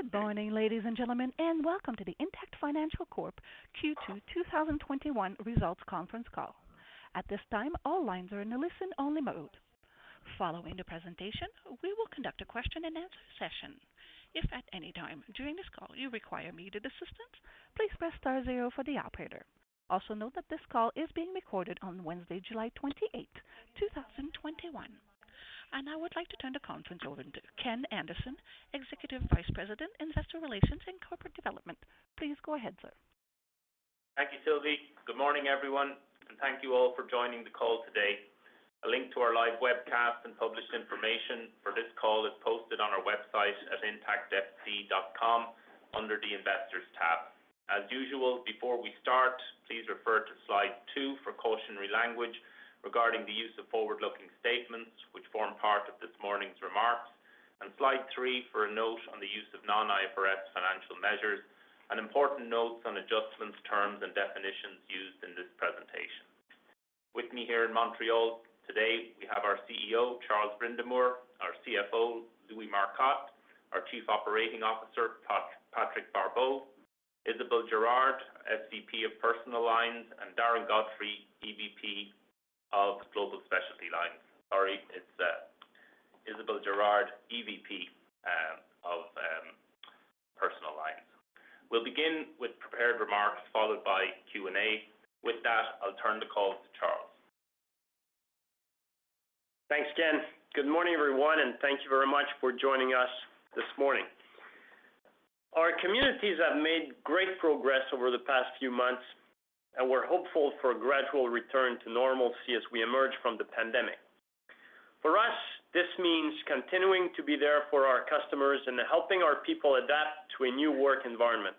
Good morning, ladies and gentlemen, and welcome to the Intact Financial Corp Q2 2021 Results Conference Call. At this time, all lines are in a listen-only mode. Following the presentation, we will conduct a question and answer session. If at any time during this call you require immediate assistance, please press star zero for the operator. Also note that this call is being recorded on Wednesday, July 28, 2021. I would like to turn the conference over to Ken Anderson, Executive Vice President, Investor Relations and Corporate Development. Please go ahead, sir. Thank you, Sylvie. Good morning, everyone. Thank you all for joining the call today. A link to our live webcast and published information for this call is posted on our website at intactfc.com under the Investors tab. As usual, before we start, please refer to slide two for cautionary language regarding the use of forward-looking statements, which form part of this morning's remarks, and slide three for a note on the use of non-IFRS financial measures and important notes on adjustments, terms, and definitions used in this presentation. With me here in Montreal today, we have our CEO, Charles Brindamour, our CFO, Louis Marcotte, our Chief Operating Officer, Patrick Barbeau, Isabelle Girard, SVP of Personal Lines, and Darren Godfrey, EVP of Global Specialty Lines. Sorry, it's Isabelle Girard, EVP of Personal Lines. We'll begin with prepared remarks followed by Q&A. With that, I'll turn the call to Charles. Thanks, Ken. Good morning, everyone, and thank you very much for joining us this morning. Our communities have made great progress over the past few months, and we're hopeful for a gradual return to normalcy as we emerge from the pandemic. For us, this means continuing to be there for our customers and helping our people adapt to a new work environment.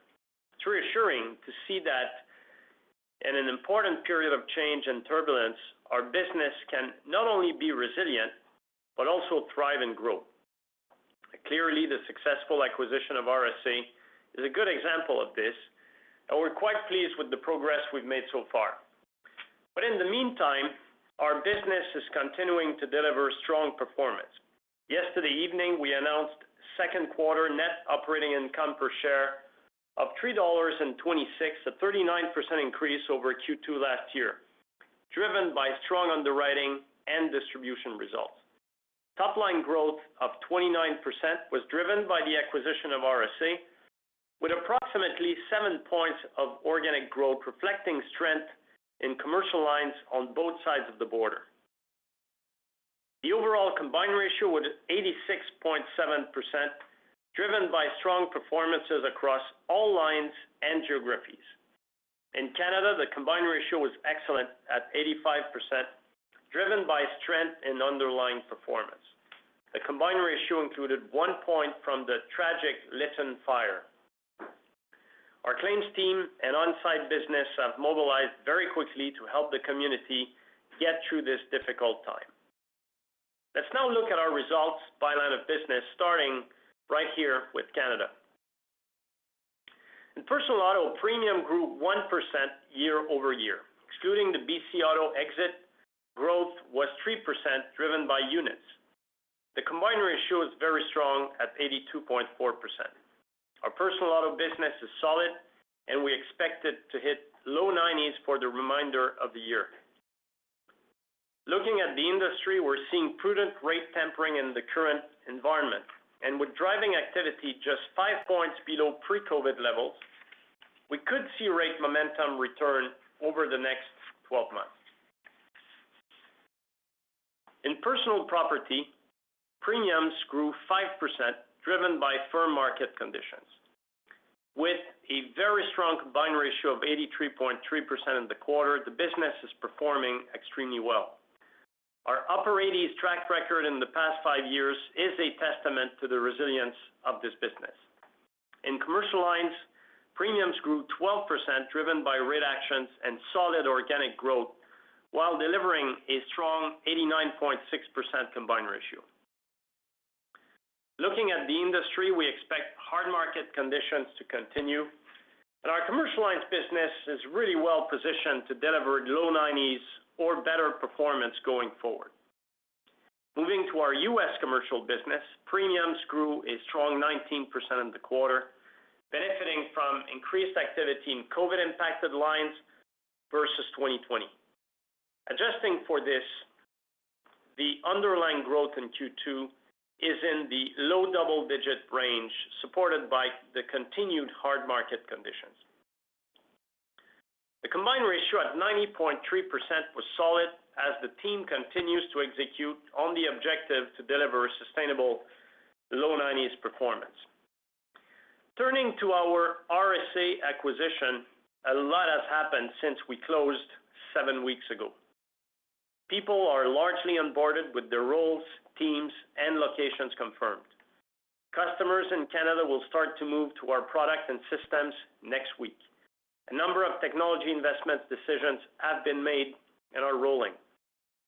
It's reassuring to see that in an important period of change and turbulence, our business can not only be resilient but also thrive and grow. Clearly, the successful acquisition of RSA is a good example of this, and we're quite pleased with the progress we've made so far. In the meantime, our business is continuing to deliver strong performance. Yesterday evening, we announced second quarter net operating income per share of $3.26, a 39% increase over Q2 last year, driven by strong underwriting and distribution results. Top-line growth of 29% was driven by the acquisition of RSA, with approximately seven points of organic growth reflecting strength in commercial lines on both sides of the border. The overall combined ratio was 86.7%, driven by strong performances across all lines and geographies. In Canada, the combined ratio was excellent at 85%, driven by strength in underlying performance. The combined ratio included one point from the tragic Lytton fire. Our claims team and On Side Restoration have mobilized very quickly to help the community get through this difficult time. Let's now look at our results by line of business, starting right here with Canada. In personal auto, premium grew 1% year-over-year. Excluding the BC Auto exit, growth was 3% driven by units. The combined ratio is very strong at 82.4%. Our personal auto business is solid, and we expect it to hit low 90s for the remainder of the year. Looking at the industry, we're seeing prudent rate tempering in the current environment, and with driving activity just five points below pre-COVID levels, we could see rate momentum return over the next 12 months. In personal property, premiums grew 5%, driven by firm market conditions. With a very strong combined ratio of 83.3% in the quarter, the business is performing extremely well. Our upper 80s track record in the past five years is a testament to the resilience of this business. In commercial lines, premiums grew 12%, driven by rate actions and solid organic growth while delivering a strong 89.6% combined ratio. Looking at the industry, we expect hard market conditions to continue, and our commercial lines business is really well positioned to deliver low 90s or better performance going forward. Moving to our U.S. commercial business, premiums grew a strong 19% in the quarter, benefiting from increased activity in COVID-impacted lines versus 2020. Adjusting for this, the underlying growth in Q2 is in the low double-digit range, supported by the continued hard market conditions. The combined ratio at 90.3% was solid as the team continues to execute on the objective to deliver sustainable low 90s performance. Turning to our RSA acquisition, a lot has happened since we closed seven weeks ago. People are largely onboarded with their roles, teams, and locations confirmed. Customers in Canada will start to move to our product and systems next week. A number of technology investment decisions have been made and are rolling.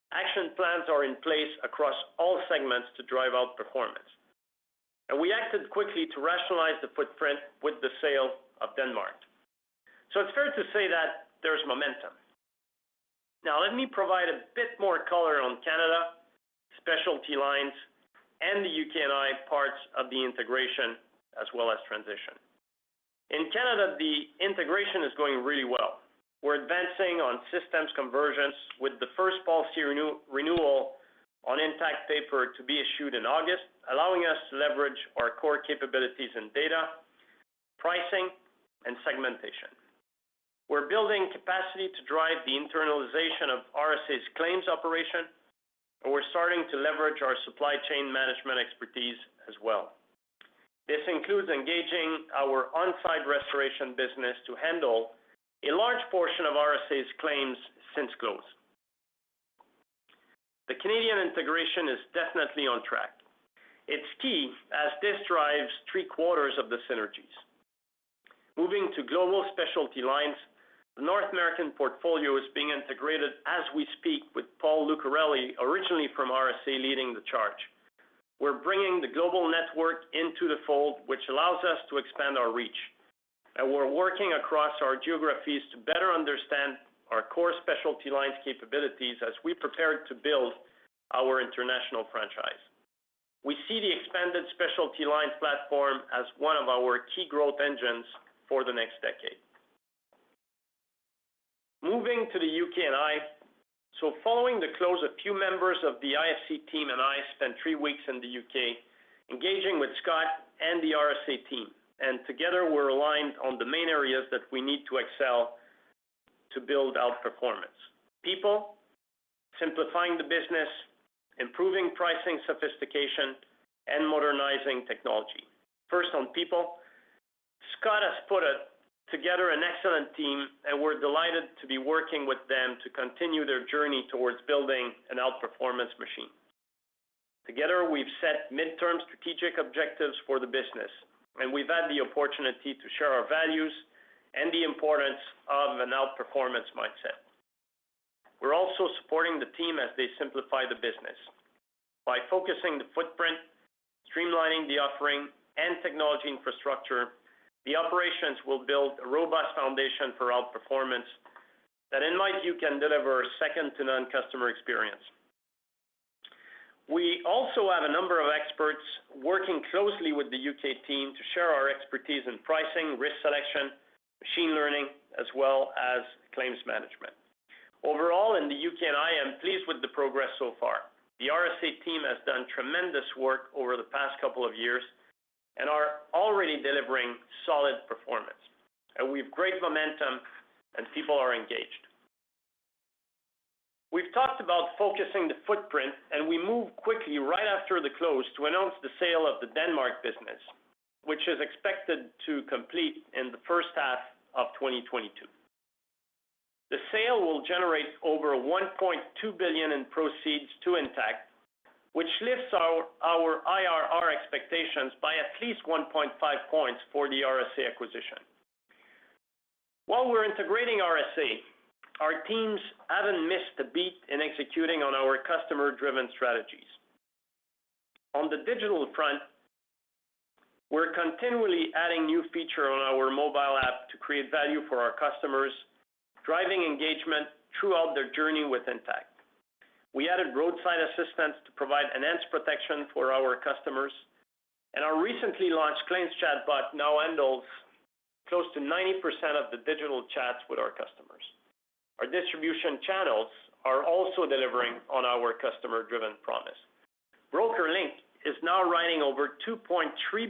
Action plans are in place across all segments to drive out performance. We acted quickly to rationalize the footprint with the sale of Denmark. It's fair to say that there's momentum. Let me provide a bit more color on Canada, specialty lines, and the U.K. & I parts of the integration as well as transition. In Canada, the integration is going really well. We're advancing on systems conversions with the first policy renewal on Intact paper to be issued in August, allowing us to leverage our core capabilities in data, pricing, and segmentation. We're building capacity to drive the internalization of RSA's claims operation, and we're starting to leverage our supply chain management expertise as well. This includes engaging our On Side Restoration business to handle a large portion of RSA's claims since close. The Canadian integration is definitely on track. It's key as this drives three-quarters of the synergies. Moving to Global Specialty Lines, the North American portfolio is being integrated as we speak with Paul Lucarelli, originally from RSA, leading the charge. We're bringing the global network into the fold, which allows us to expand our reach. We're working across our geographies to better understand our core Specialty Lines capabilities as we prepare to build our international franchise. We see the expanded Specialty Lines platform as one of our key growth engines for the next decade. Moving to the U.K. & I. Following the close, a few members of the IFC team and I spent three weeks in the U.K. engaging with Scott and the RSA team, and together we're aligned on the main areas that we need to excel to build out performance: people, simplifying the business, improving pricing sophistication, and modernizing technology. First on people. Scott has put together an excellent team, and we're delighted to be working with them to continue their journey towards building an outperformance machine. Together, we've set mid-term strategic objectives for the business, and we've had the opportunity to share our values and the importance of an outperformance mindset. We're also supporting the team as they simplify the business. By focusing the footprint, streamlining the offering and technology infrastructure, the operations will build a robust foundation for outperformance that in my view, can deliver a second-to-none customer experience. We also have a number of experts working closely with the U.K. team to share our expertise in pricing, risk selection, machine learning, as well as claims management. Overall, in the U.K. and I'm pleased with the progress so far. The RSA team has done tremendous work over the past couple of years and are already delivering solid performance. We have great momentum and people are engaged. We've talked about focusing the footprint, and we moved quickly right after the close to announce the sale of the Denmark business, which is expected to complete in the first half of 2022. The sale will generate over 1.2 billion in proceeds to Intact, which lifts our IRR expectations by at least 1.5 points for the RSA acquisition. While we're integrating RSA, our teams haven't missed a beat in executing on our customer-driven strategies. On the digital front, we're continually adding new features on our mobile app to create value for our customers, driving engagement throughout their journey with Intact. We added roadside assistance to provide enhanced protection for our customers, and our recently launched claims chatbot now handles close to 90% of the digital chats with our customers. Our distribution channels are also delivering on our customer-driven promise. BrokerLink is now writing over 2.3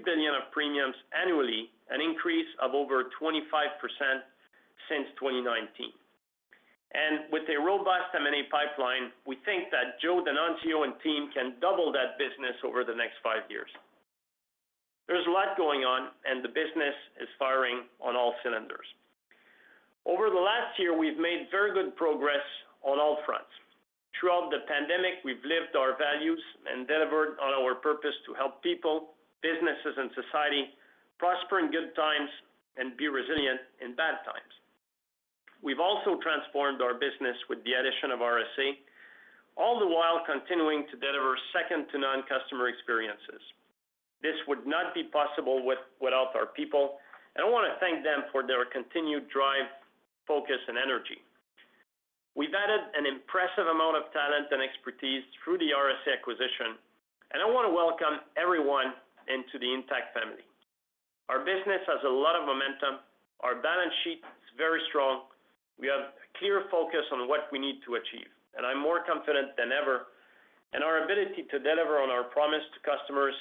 billion of premiums annually, an increase of over 25% since 2019. With a robust M&A pipeline, we think that Joe D'Annunzio and team can double that business over the next five years. There's a lot going on and the business is firing on all cylinders. Over the last year, we've made very good progress on all fronts. Throughout the pandemic, we've lived our values and delivered on our purpose to help people, businesses, and society prosper in good times and be resilient in bad times. We've also transformed our business with the addition of RSA, all the while continuing to deliver second-to-none customer experiences. This would not be possible without our people, and I want to thank them for their continued drive, focus, and energy. We've added an impressive amount of talent and expertise through the RSA acquisition, and I want to welcome everyone into the Intact family. Our business has a lot of momentum. Our balance sheet is very strong. We have a clear focus on what we need to achieve, and I'm more confident than ever in our ability to deliver on our promise to customers,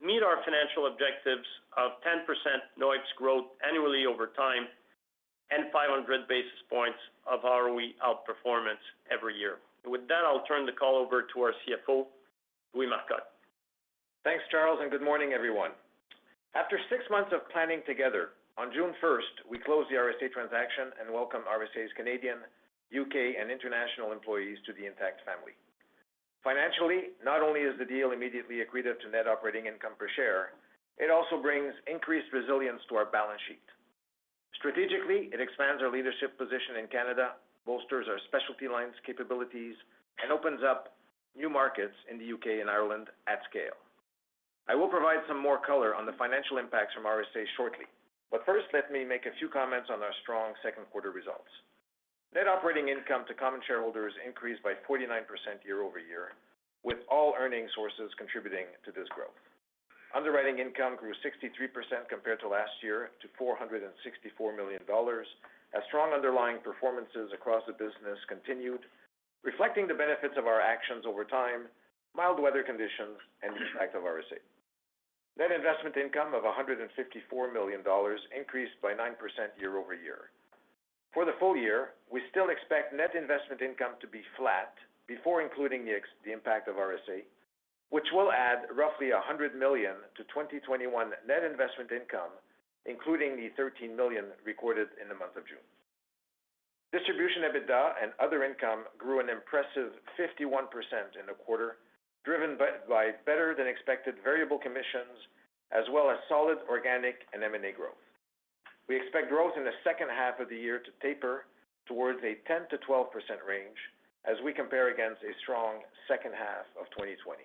meet our financial objectives of 10% NOIPS growth annually over time, and 500 basis points of ROE outperformance every year. With that, I'll turn the call over to our CFO, Louis Marcotte. Thanks, Charles. Good morning, everyone. After six months of planning together, on June 1st, we closed the RSA transaction and welcomed RSA's Canadian, U.K., and international employees to the Intact family. Financially, not only is the deal immediately accretive to net operating income per share, it also brings increased resilience to our balance sheet. Strategically, it expands our leadership position in Canada, bolsters our specialty lines capabilities, and opens up new markets in the U.K. and Ireland at scale. I will provide some more color on the financial impacts from RSA shortly. First, let me make a few comments on our strong second quarter results. Net operating income to common shareholders increased by 49% year-over-year, with all earning sources contributing to this growth. Underwriting income grew 63% compared to last year to 464 million dollars, as strong underlying performances across the business continued, reflecting the benefits of our actions over time, mild weather conditions, and the impact of RSA. Net investment income of 154 million dollars increased by 9% year-over-year. For the full year, we still expect net investment income to be flat before including the impact of RSA, which will add roughly 100 million to 2021 net investment income, including the 13 million recorded in the month of June. Distribution EBITDA and other income grew an impressive 51% in the quarter, driven by better-than-expected variable commissions as well as solid organic and M&A growth. We expect growth in the second half of the year to taper towards a 10%-12% range as we compare against a strong second half of 2020.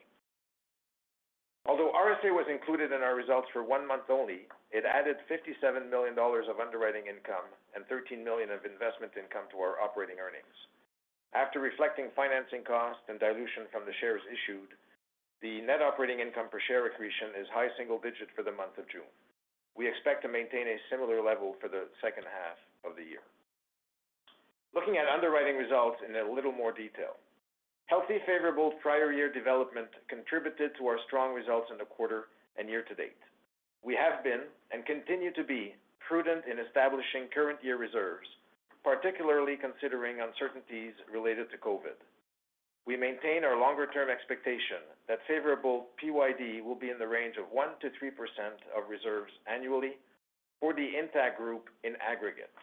Although RSA was included in our results for one month only, it added 57 million dollars of underwriting income and 13 million of investment income to our operating earnings. After reflecting financing cost and dilution from the shares issued, the net operating income per share accretion is high single-digit for the month of June. We expect to maintain a similar level for the second half of the year. Looking at underwriting results in a little more detail. Healthy, favorable prior year development contributed to our strong results in the quarter and year-to-date. We have been, and continue to be, prudent in establishing current year reserves, particularly considering uncertainties related to COVID. We maintain our longer-term expectation that favorable PYD will be in the range of 1%-3% of reserves annually for the Intact group in aggregate.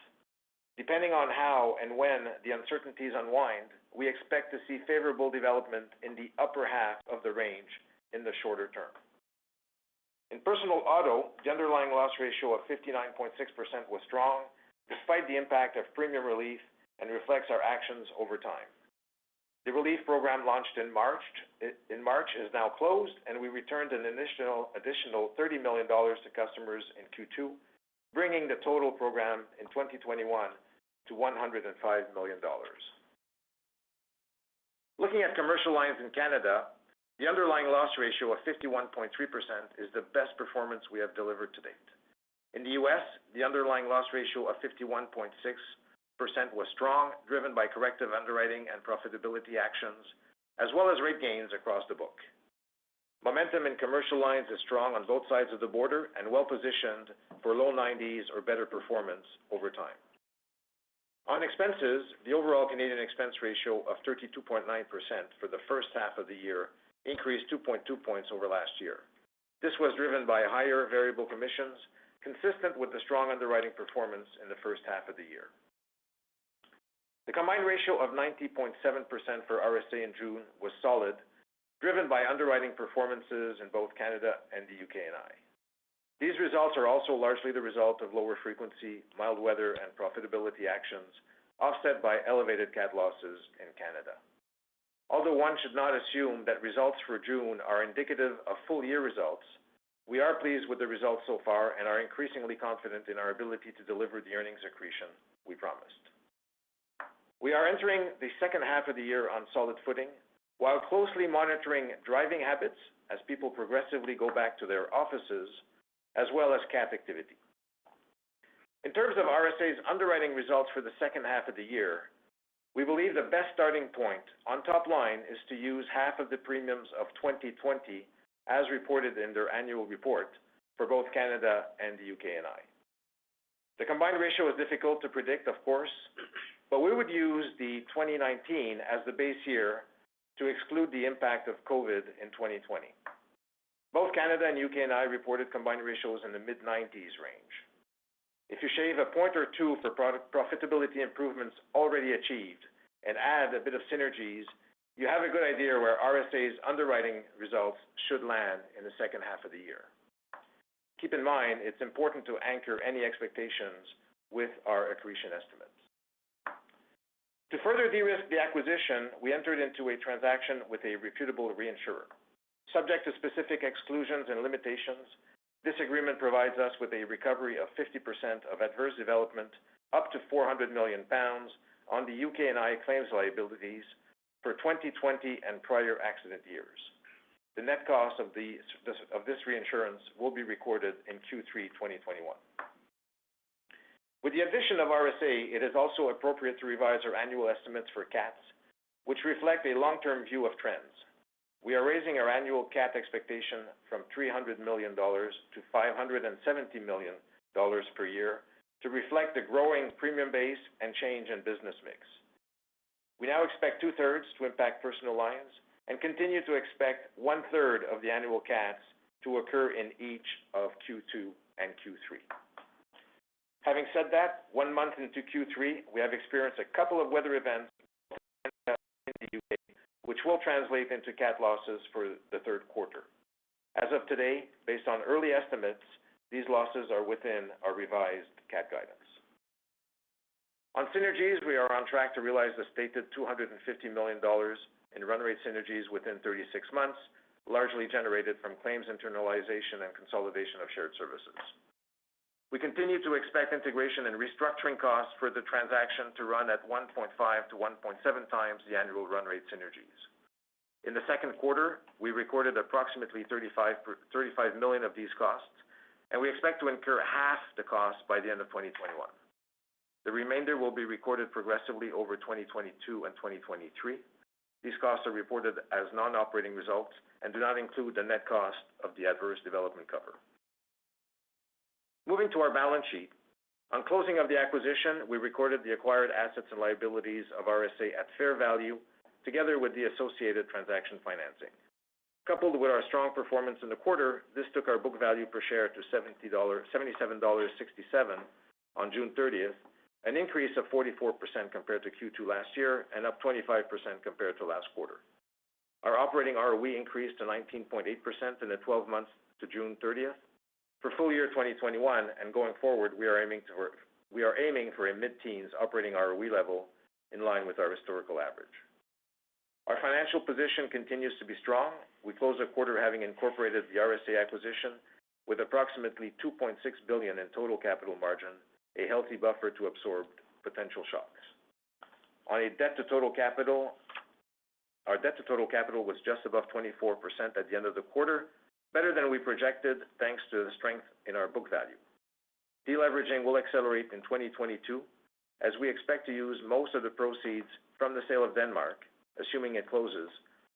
Depending on how and when the uncertainties unwind, we expect to see favorable development in the upper half of the range in the shorter term. In personal auto, the underlying loss ratio of 59.6% was strong despite the impact of premium relief and reflects our actions over time. The relief program launched in March is now closed, and we returned an additional 30 million dollars to customers in Q2, bringing the total program in 2021 to 105 million dollars. Looking at commercial lines in Canada, the underlying loss ratio of 51.3% is the best performance we have delivered to date. In the U.S., the underlying loss ratio of 51.6% was strong, driven by corrective underwriting and profitability actions, as well as rate gains across the book. Momentum in commercial lines is strong on both sides of the border and well-positioned for low 90s or better performance over time. On expenses, the overall Canadian expense ratio of 32.9% for the first half of the year increased 2.2 points over last year. This was driven by higher variable commissions, consistent with the strong underwriting performance in the first half of the year. The combined ratio of 90.7% for RSA in June was solid, driven by underwriting performances in both Canada and the U.K. & I. These results are also largely the result of lower frequency, mild weather, and profitability actions offset by elevated CAT losses in Canada. Although one should not assume that results for June are indicative of full year results, we are pleased with the results so far and are increasingly confident in our ability to deliver the earnings accretion we promised. We are entering the second half of the year on solid footing while closely monitoring driving habits as people progressively go back to their offices, as well as CAT activity. In terms of RSA's underwriting results for the second half of the year, we believe the best starting point on top line is to use half of the premiums of 2020 as reported in their annual report for both Canada and the U.K. & I. The combined ratio is difficult to predict, of course, but we would use the 2019 as the base year to exclude the impact of COVID in 2020. Both Canada and U.K. & I. reported combined ratios in the mid-90s range. If you shave a point or two for profitability improvements already achieved and add a bit of synergies. You have a good idea where RSA's underwriting results should land in the second half of the year. Keep in mind, it's important to anchor any expectations with our accretion estimates. To further de-risk the acquisition, we entered into a transaction with a reputable reinsurer. Subject to specific exclusions and limitations, this agreement provides us with a recovery of 50% of adverse development up to 400 million pounds on the U.K. & I claims liabilities for 2020 and prior accident years. The net cost of this reinsurance will be recorded in Q3 2021. With the addition of RSA, it is also appropriate to revise our annual estimates for CATs, which reflect a long-term view of trends. We are raising our annual CAT expectation from 300 million-570 million dollars per year to reflect the growing premium base and change in business mix. We now expect 2/3 to impact personal lines and continue to expect one-third of the annual CATs to occur in each of Q2 and Q3. Having said that, one month into Q3, we have experienced a couple of weather events in the U.K., which will translate into CAT losses for the third quarter. As of today, based on early estimates, these losses are within our revised CAT guidance. On synergies, we are on track to realize the stated 250 million dollars in run rate synergies within 36 months, largely generated from claims internalization and consolidation of shared services. We continue to expect integration and restructuring costs for the transaction to run at 1.5-1.7x the annual run rate synergies. In the second quarter, we recorded approximately 35 million of these costs, and we expect to incur half the cost by the end of 2021. The remainder will be recorded progressively over 2022 and 2023. These costs are reported as non-operating results and do not include the net cost of the adverse development cover. Moving to our balance sheet. On closing of the acquisition, we recorded the acquired assets and liabilities of RSA at fair value, together with the associated transaction financing. Coupled with our strong performance in the quarter, this took our book value per share to 77.67 dollar on June 30th, an increase of 44% compared to Q2 last year and up 25% compared to last quarter. Our operating ROE increased to 19.8% in the 12 months to June 30th. For full year 2021 and going forward, we are aiming for a mid-teens operating ROE level in line with our historical average. Our financial position continues to be strong. We close the quarter having incorporated the RSA acquisition with approximately 2.6 billion in total capital margin, a healthy buffer to absorb potential shocks. Our debt to total capital was just above 24% at the end of the quarter, better than we projected thanks to the strength in our book value. Deleveraging will accelerate in 2022 as we expect to use most of the proceeds from the sale of Denmark, assuming it closes,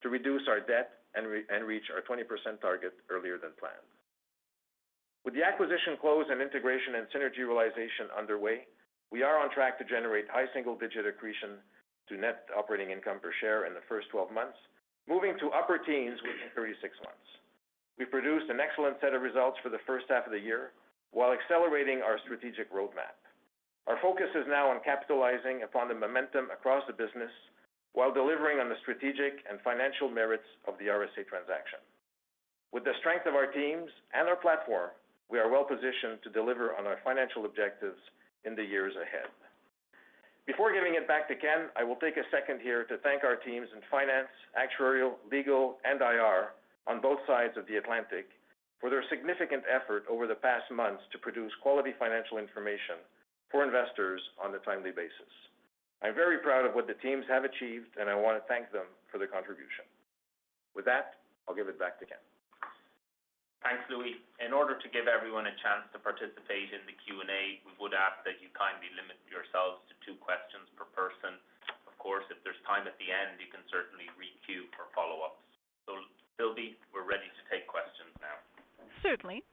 to reduce our debt and reach our 20% target earlier than planned. With the acquisition close and integration and synergy realization underway, we are on track to generate high single-digit accretion to Net Operating Income Per Share in the first 12 months, moving to upper teens within 36 months. We produced an excellent set of results for the first half of the year while accelerating our strategic roadmap. Our focus is now on capitalizing upon the momentum across the business while delivering on the strategic and financial merits of the RSA transaction. With the strength of our teams and our platform, we are well positioned to deliver on our financial objectives in the years ahead. Before giving it back to Ken, I will take a second here to thank our teams in finance, actuarial, legal, and IR on both sides of the Atlantic for their significant effort over the past months to produce quality financial information for investors on a timely basis. I'm very proud of what the teams have achieved, and I want to thank them for their contribution. With that, I'll give it back to Ken. Thanks, Louis. In order to give everyone a chance to participate in the Q&A, we would ask that you kindly limit yourselves to two questions per person. Of course, if there's time at the end, you can certainly re-queue for follow-ups. Sylvie, we're ready to take questions now. Certainly.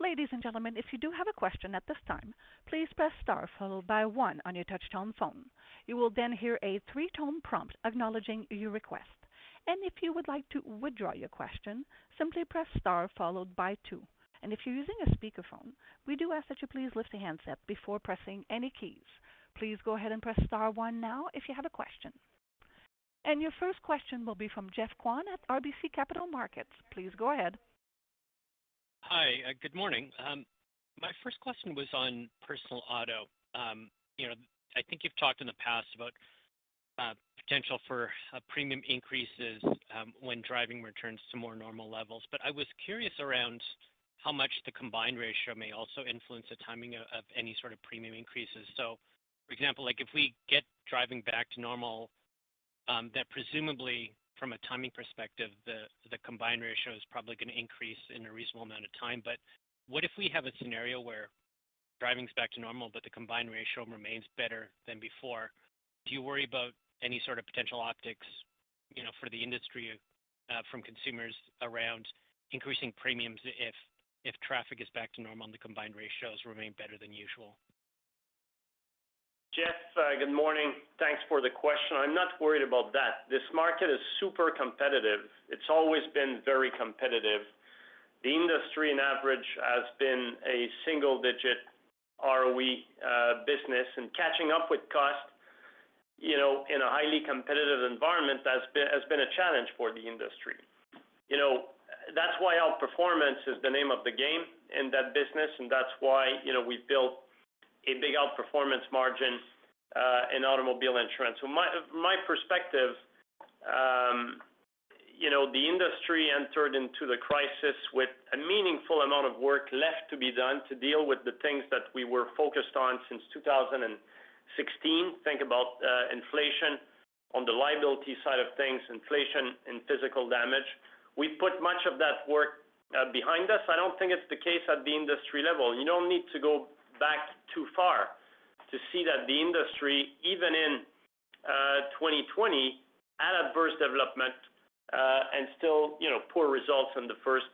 Ladies and gentlemen, if you do have a question at this time, please press star followed by one on your touchtone phone. You will then hear a three-tone prompt acknowledging your request. If you would like to withdraw your question, simply press star followed by two. If you're using a speakerphone, we do ask that you please lift the handset before pressing any keys. Please go ahead and press star one now if you have a question. Your first question will be from Geoff Kwan at RBC Capital Markets. Please go ahead. Hi. Good morning. My first question was on personal auto. I think you've talked in the past about potential for premium increases when driving returns to more normal levels, but I was curious around how much the combined ratio may also influence the timing of any sort of premium increases. For example, if we get driving back to normal, that presumably from a timing perspective, the combined ratio is probably going to increase in a reasonable amount of time. What if we have a scenario where driving is back to normal, but the combined ratio remains better than before? Do you worry about any sort of potential optics for the industry from consumers around increasing premiums if traffic is back to normal and the combined ratios remain better than usual? Geoff, good morning. Thanks for the question. I'm not worried about that. This market is super competitive. It's always been very competitive. The industry on average has been a single-digit ROE business, and catching up with cost in a highly competitive environment has been a challenge for the industry. That's why outperformance is the name of the game in that business, and that's why we've built a big outperformance margin in automobile insurance. My perspective, the industry entered into the crisis with a meaningful amount of work left to be done to deal with the things that we were focused on since 2016. Think about inflation on the liability side of things, inflation in physical damage. We've put much of that work behind us. I don't think it's the case at the industry level. You don't need to go back too far to see that the industry, even in 2020, had adverse development and still poor results in the first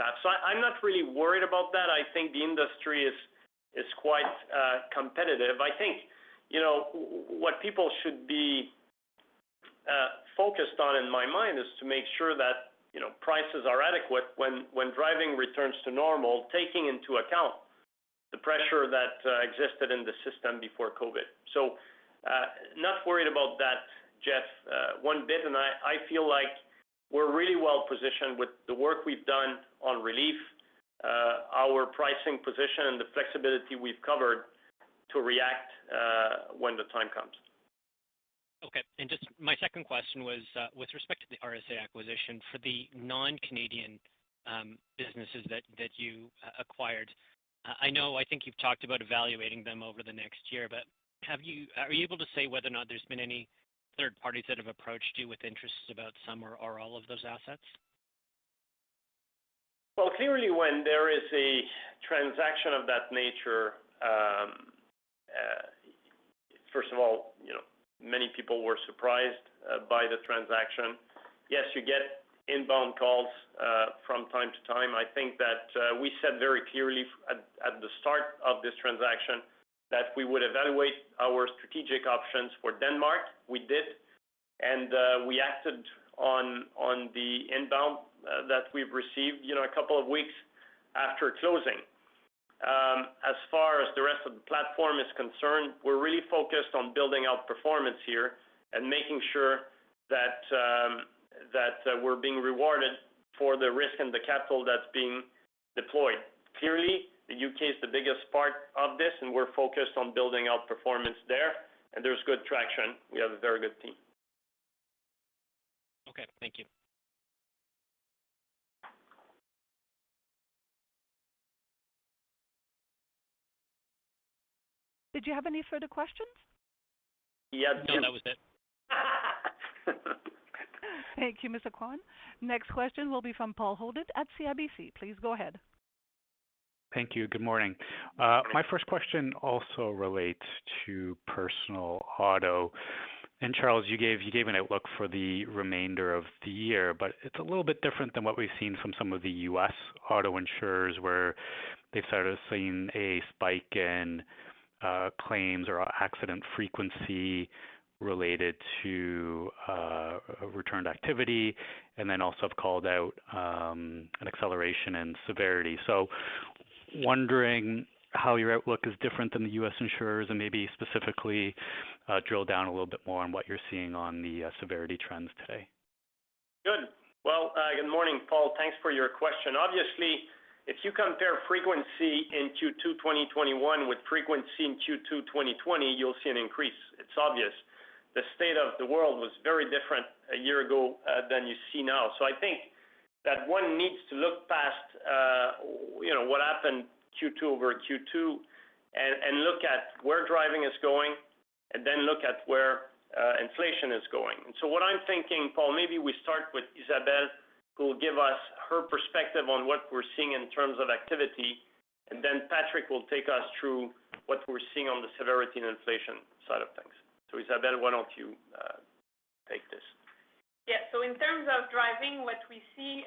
half. I'm not really worried about that. I think the industry is quite competitive. I think what people should be focused on, in my mind, is to make sure that prices are adequate when driving returns to normal, taking into account the pressure that existed in the system before COVID. Not worried about that, Geoff, one bit, and I feel like we're really well positioned with the work we've done on relief. Our pricing position and the flexibility we've covered to react when the time comes. Okay. Just my second question was with respect to the RSA acquisition for the non-Canadian businesses that you acquired. I know, I think you've talked about evaluating them over the next year, but are you able to say whether or not there's been any third parties that have approached you with interest about some or all of those assets? Clearly, when there is a transaction of that nature, first of all, many people were surprised by the transaction. Yes, you get inbound calls from time to time. I think that we said very clearly at the start of this transaction that we would evaluate our strategic options for Denmark. We did, and we acted on the inbound that we've received a couple of weeks after closing. As far as the rest of the platform is concerned, we're really focused on building out performance here and making sure that we're being rewarded for the risk and the capital that's being deployed. Clearly, the U.K. is the biggest part of this, and we're focused on building out performance there, and there's good traction. We have a very good team. Okay. Thank you. Did you have any further questions? No, that was it. Thank you, Mr. Kwan. Next question will be from Paul Holden at CIBC. Please go ahead. Thank you. Good morning. My first question also relates to personal auto. Charles, you gave an outlook for the remainder of the year, but it's a little bit different than what we've seen from some of the U.S. auto insurers, where they've started seeing a spike in claims or accident frequency related to a returned activity, and then also have called out an acceleration in severity. Wondering how your outlook is different than the U.S. insurers and maybe specifically drill down a little bit more on what you're seeing on the severity trends today. Good. Well, good morning, Paul. Thanks for your question. Obviously, if you compare frequency in Q2 2021 with frequency in Q2 2020, you'll see an increase. It's obvious. The state of the world was very different a year ago than you see now. I think that one needs to look past what happened Q2 over Q2 and look at where driving is going and then look at where inflation is going. What I'm thinking, Paul, maybe we start with Isabelle, who will give us her perspective on what we're seeing in terms of activity, and then Patrick will take us through what we're seeing on the severity and inflation side of things. Isabelle, why don't you take this? Yeah. In terms of driving, what we see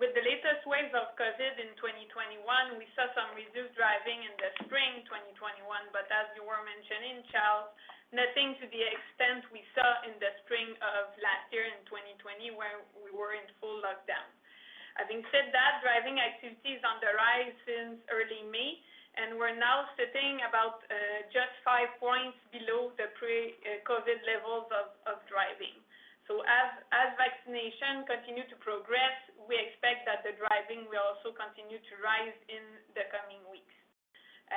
with the latest waves of COVID in 2021, we saw some reduced driving in the spring 2021, but as you were mentioning, Charles, nothing to the extent we saw in the spring of last year in 2020 when we were in full lockdown. Having said that, driving activity is on the rise since early May, and we're now sitting about just five points below the pre-COVID levels of driving. As vaccination continue to progress, we expect that the driving will also continue to rise in the coming weeks.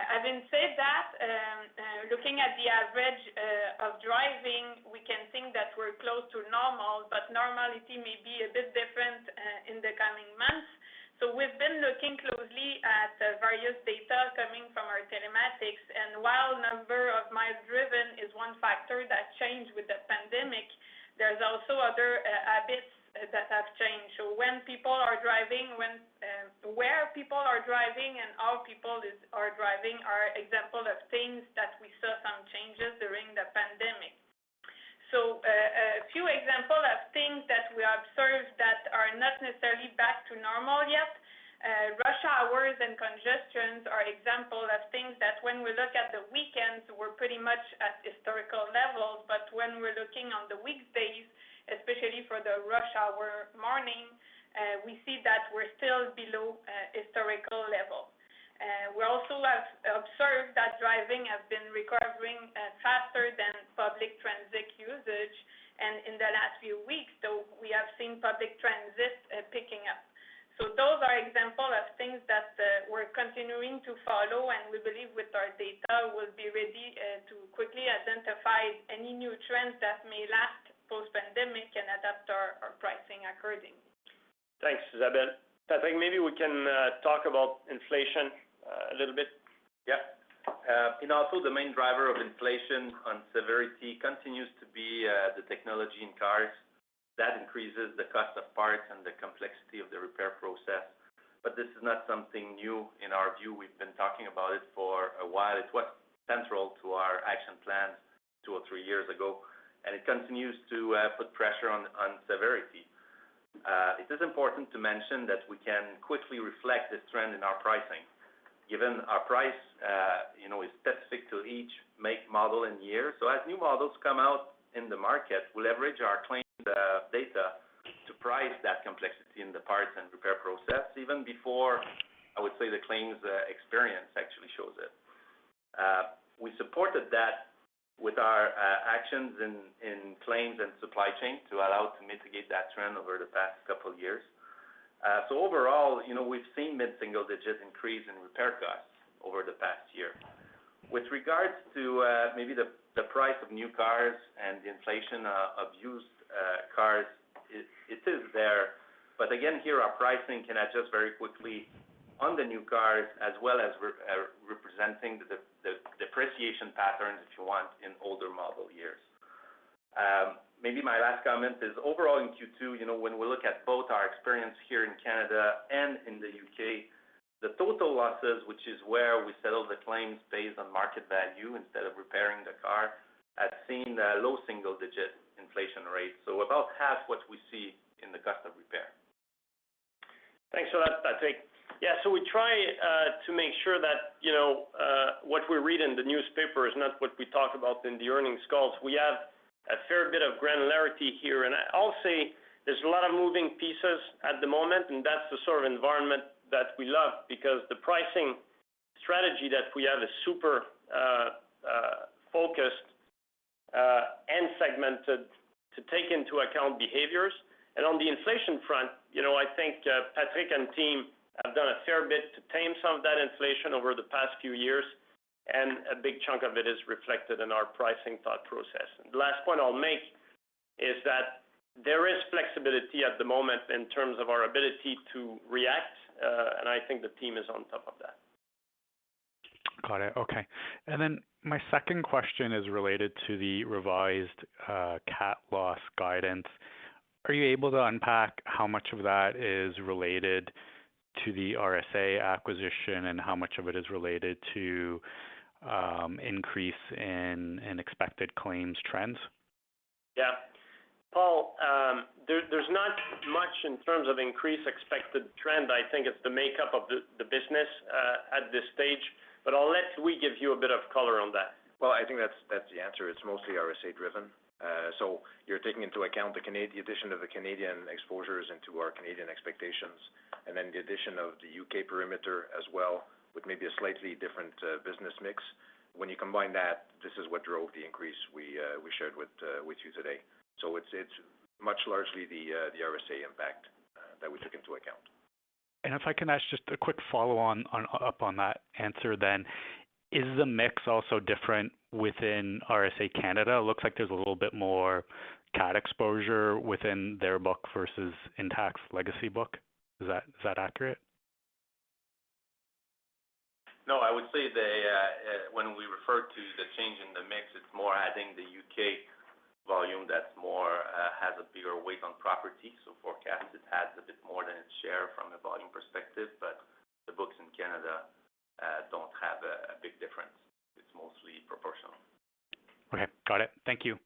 Having said that, looking at the average of driving, we can think that we're close to normal, but normality may be a bit different in the coming months. We've been looking closely at various data coming from our telematics, and while one factor that changed with the pandemic, there's also other habits that have changed. When people are driving, where people are driving, and how people are driving are example of things that we saw some changes during the pandemic. A few example of things that we observed that are not necessarily back to normal yet. Rush hours and congestions are example of things that when we look at the weekends, we're pretty much at historical levels, but when we're looking on the weekdays, especially for the rush hour morning we see that we're still below historical level. We also have observed that driving has been recovering faster than public transit usage and in the last few weeks, so we have seen public transit picking up. Those are examples of things that we're continuing to follow, and we believe with our data, we'll be ready to quickly identify any new trends that may last post-pandemic and adapt our pricing accordingly. Thanks, Isabelle. Patrick, maybe we can talk about inflation a little bit. Yeah. In auto, the main driver of inflation on severity continues to be the technology in cars. That increases the cost of parts and the complexity of the repair process. This is not something new in our view. We've been talking about it for a while. It's what's central to our action plans two or three years ago, and it continues to put pressure on severity. It is important to mention that we can quickly reflect this trend in our pricing given our price is specific to each make, model, and year. As new models come out in the market, we leverage our claims data to price that complexity in the parts and repair process even before, I would say, the claims experience actually shows up. We supported that with our actions in claims and supply chain to allow us to mitigate that trend over the past two years. Overall, we've seen mid-single digits increase in repair costs over the past year. With regards to maybe the price of new cars and the inflation of used cars, it is there. Again, here our pricing can adjust very quickly on the new cars as well as representing the depreciation patterns that you want in older model years. Maybe my last comment is overall in Q2, when we look at both our experience here in Canada and in the U.K., the total losses, which is where we settle the claims based on market value instead of repairing the car, have seen low single-digit inflation rates. About half what we see in the cost of repair. Thanks for that, Patrick. Yeah. We try to make sure that what we read in the newspaper is not what we talk about in the earnings calls. We have a fair bit of granularity here, and I'll say there's a lot of moving pieces at the moment, and that's the sort of environment that we love because the pricing strategy that we have is super focused and segmented to take into account behaviors. On the inflation front, I think Patrick and team have done a fair bit to tame some of that inflation over the past few years, and a big chunk of it is reflected in our pricing thought process. The last point I'll make is that there is flexibility at the moment in terms of our ability to react, and I think the team is on top of that. Got it. Okay. My second question is related to the revised CAT loss guidance. Are you able to unpack how much of that is related to the RSA acquisition and how much of it is related to increase in expected claims trends? Paul, there's not much in terms of increased expected trend. I think it's the makeup of the business at this stage, but I'll let Louis give you a bit of color on that. Well, I think that's the answer. It's mostly RSA driven. You're taking into account the addition of the Canadian exposures into our Canadian expectations, and then the addition of the U.K. perimeter as well, with maybe a slightly different business mix. When you combine that, this is what drove the increase we shared with you today. It's much largely the RSA impact that we took into account. If I can ask just a quick follow up on that answer, is the mix also different within RSA Canada? It looks like there's a little bit more CAT exposure within their book versus Intact's legacy book. Is that accurate? No, I would say when we refer to the change in the mix, it's more adding the U.K. volume that has a bigger weight on property. Forecast, it adds a bit more than its share from a volume perspective, but the books in Canada don't have a big difference. It's mostly proportional. Okay. Got it. Thank you.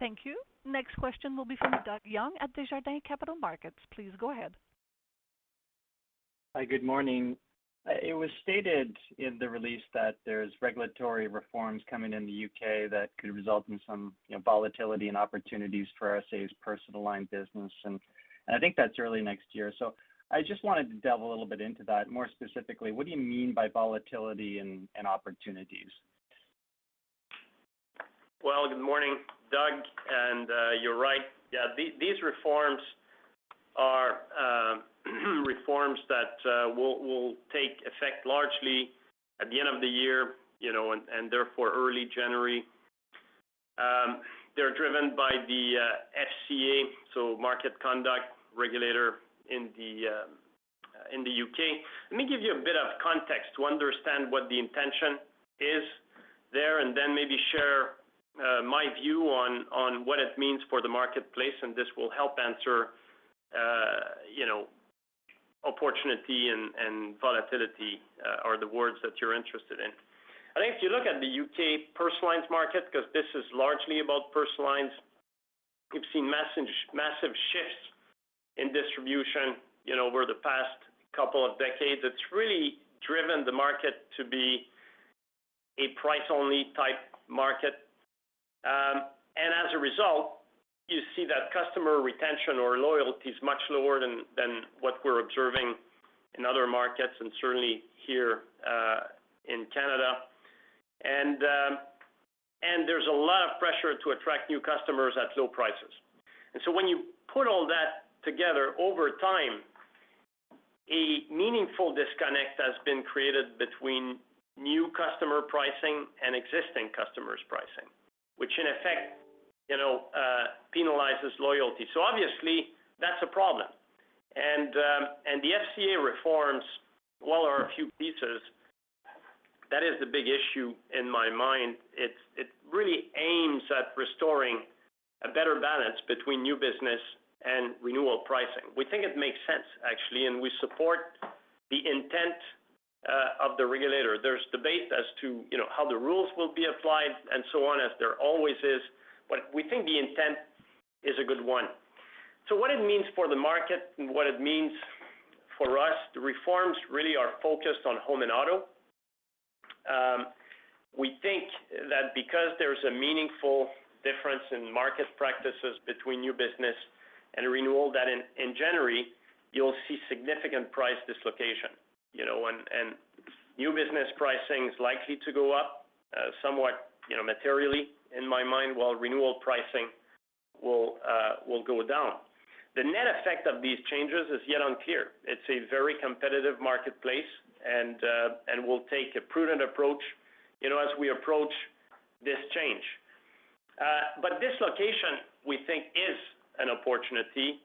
Thank you. Next question will be from Doug Young at Desjardins Capital Markets. Please go ahead. Hi, good morning. It was stated in the release that there's regulatory reforms coming in the U.K. that could result in some volatility and opportunities for RSA's personal line business, and I think that's early next year. I just wanted to delve a little bit into that. More specifically, what do you mean by volatility and opportunities? Good morning, Doug, and you're right. Yeah, these reforms are reforms that will take effect largely at the end of the year, and therefore early January. They're driven by the FCA, so market conduct regulator in the U.K. Let me give you a bit of context to understand what the intention is there and then maybe share my view on what it means for the marketplace, and this will help answer opportunity and volatility are the words that you're interested in. I think if you look at the U.K. personal lines market, because this is largely about personal lines, we've seen massive shifts in distribution over the past couple of decades. It's really driven the market to be a price-only type market. As a result, you see that customer retention or loyalty is much lower than what we're observing in other markets and certainly here in Canada. There's a lot of pressure to attract new customers at low prices. When you put all that together over time, a meaningful disconnect has been created between new customer pricing and existing customers' pricing, which in effect penalizes loyalty. Obviously, that's a problem. The FCA reforms, while are a few pieces, that is the big issue in my mind. It really aims at restoring a better balance between new business and renewal pricing. We think it makes sense, actually, and we support the intent of the regulator. There's debate as to how the rules will be applied and so on, as there always is, but we think the intent is a good one. What it means for the market and what it means for us, the reforms really are focused on home and auto. We think that because there's a meaningful difference in market practices between new business and a renewal that in January, you'll see significant price dislocation. New business pricing is likely to go up somewhat materially in my mind, while renewal pricing will go down. The net effect of these changes is yet unclear. It's a very competitive marketplace, and we'll take a prudent approach as we approach this change. Dislocation, we think, is an opportunity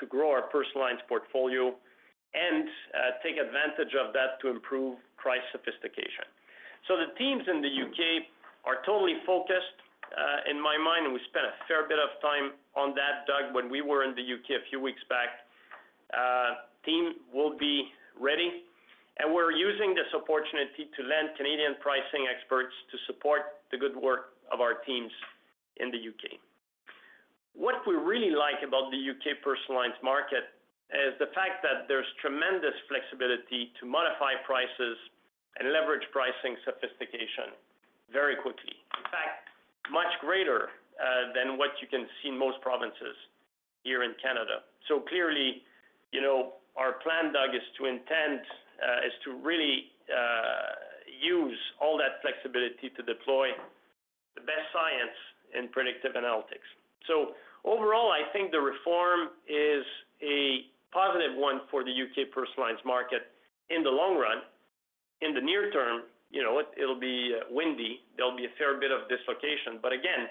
to grow our personal lines portfolio and take advantage of that to improve price sophistication. The teams in the U.K. are totally focused in my mind, and we spent a fair bit of time on that, Doug, when we were in the U.K. a few weeks back. Team will be ready, and we're using this opportunity to lend Canadian pricing experts to support the good work of our teams in the U.K. What we really like about the U.K. personal lines market is the fact that there's tremendous flexibility to modify prices and leverage pricing sophistication very quickly. In fact, much greater than what you can see in most provinces here in Canada. Clearly, our plan, Doug, is to really use all that flexibility to deploy the best science in predictive analytics. Overall, I think the reform is a positive one for the U.K. personal lines market in the long run. In the near term, it'll be windy. There'll be a fair bit of dislocation, but again,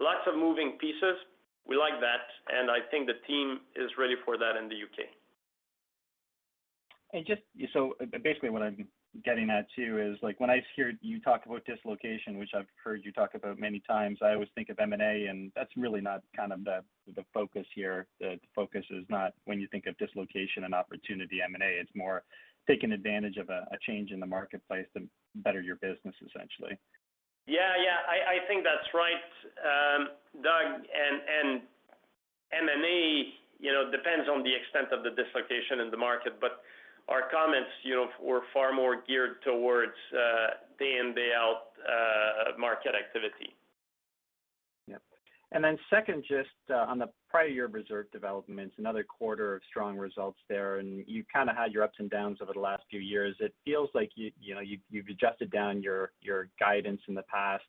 lots of moving pieces. We like that, and I think the team is ready for that in the U.K. Basically what I'm getting at too is when I hear you talk about dislocation, which I've heard you talk about many times, I always think of M&A, and that's really not the focus here. The focus is not when you think of dislocation and opportunity M&A, it's more taking advantage of a change in the marketplace to better your business, essentially. Yeah. I think that's right. Doug, and M&A depends on the extent of the dislocation in the market, but our comments were far more geared towards day in, day out market activity. Yep. Second, just on the prior year reserve developments, another quarter of strong results there, and you've kind of had your ups and downs over the last few years. It feels like you've adjusted down your guidance in the past.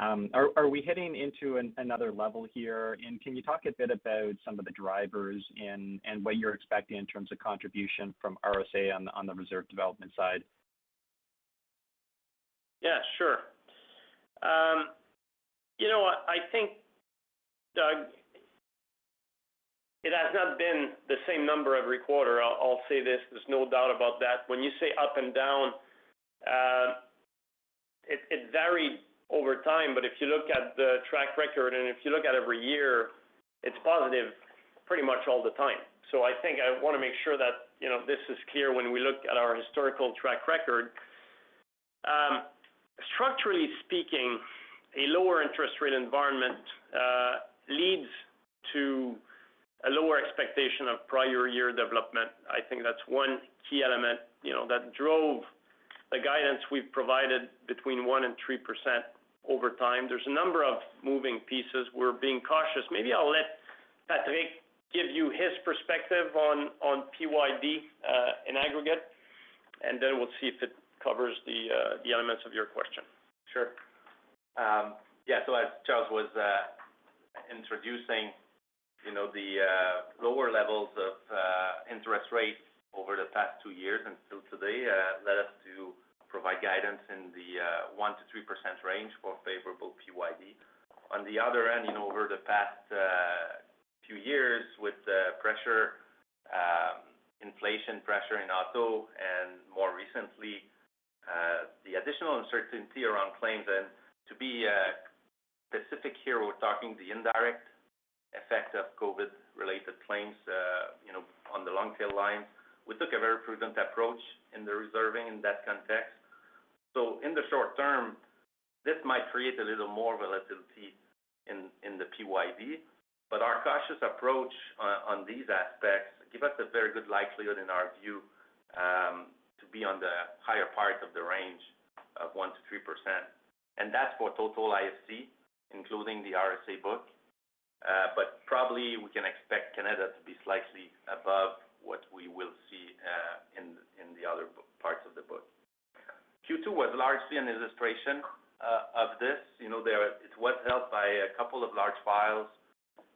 Are we heading into another level here? Can you talk a bit about some of the drivers and what you're expecting in terms of contribution from RSA on the reserve development side? Sure. I think, Doug, it has not been the same number every quarter. I'll say this, there's no doubt about that. When you say up and down, it varied over time, but if you look at the track record and if you look at every year, it's positive pretty much all the time. I think I want to make sure that this is clear when we look at our historical track record. Structurally speaking, a lower interest rate environment leads to a lower expectation of prior year development. I think that's one key element that drove the guidance we've provided between 1% and 3% over time. There's a number of moving pieces. We're being cautious. Maybe I'll let Patrick give you his perspective on PYD in aggregate, and then we'll see if it covers the elements of your question. Sure. Yeah, as Charles was introducing, the lower levels of interest rates over the past two years until today led us to provide guidance in the 1%-3% range for favorable PYD. On the other end, over the past few years with pressure, inflation pressure in auto, and more recently the additional uncertainty around claims, and to be specific here, we're talking the indirect effect of COVID related claims on the long tail lines. We took a very prudent approach in the reserving in that context. In the short term, this might create a little more volatility in the PYD, but our cautious approach on these aspects give us a very good likelihood in our view to be on the higher part of the range of 1%-3%. That's for total IFC, including the RSA book. Probably we can expect Canada to be slightly above what we will see in the other parts of the book. Q2 was largely an illustration of this. It was helped by a couple of large files,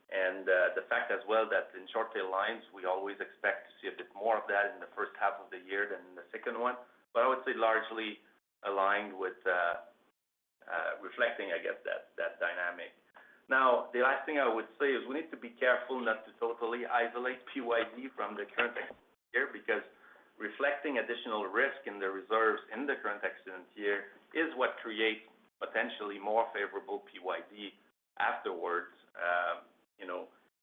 and the fact as well that in short tail lines, we always expect to see a bit more of that in the first half of the year than in the second one. I would say largely aligned with reflecting, I guess, that dynamic. The last thing I would say is we need to be careful not to totally isolate PYD from the current accident year because reflecting additional risk in the reserves in the current accident year is what creates potentially more favorable PYD afterwards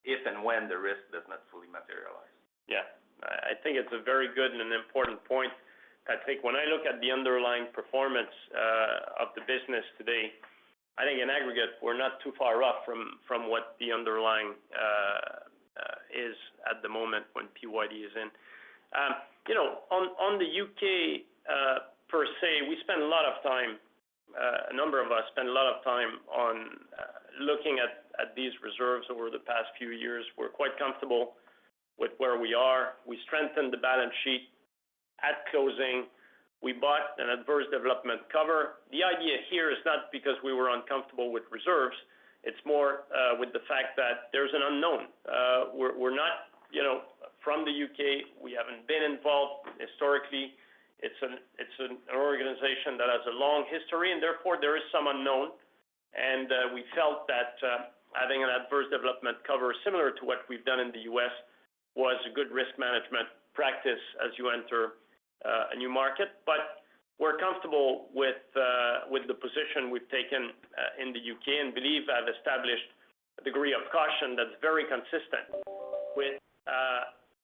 if and when the risk does not fully materialize. Yeah. I think it's a very good and an important point. I think when I look at the underlying performance of the business today, I think in aggregate, we're not too far off from what the underlying is at the moment when PYD is in. On the U.K. per se, we spend a lot of time. A number of us spend a lot of time on looking at these reserves over the past few years. We're quite comfortable with where we are. We strengthened the balance sheet at closing. We bought an adverse development cover. The idea here is not because we were uncomfortable with reserves, it's more with the fact that there's an unknown. We're not from the U.K. We haven't been involved historically. It's an organization that has a long history, and therefore there is some unknown. We felt that having an adverse development cover similar to what we've done in the U.S. was a good risk management practice as you enter a new market. We're comfortable with the position we've taken in the U.K. and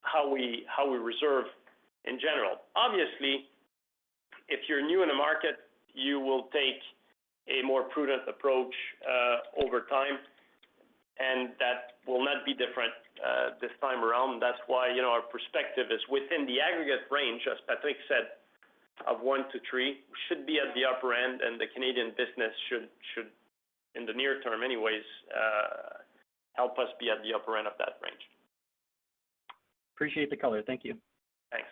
believe have established a degree of caution that's very consistent with how we reserve in general. Obviously, if you're new in a market, you will take a more prudent approach over time, and that will not be different this time around. That's why our perspective is within the aggregate range, as Patrick said, of one-three. We should be at the upper end, and the Canadian business should, in the near term anyways, help us be at the upper end of that range. Appreciate the color. Thank you. Thanks.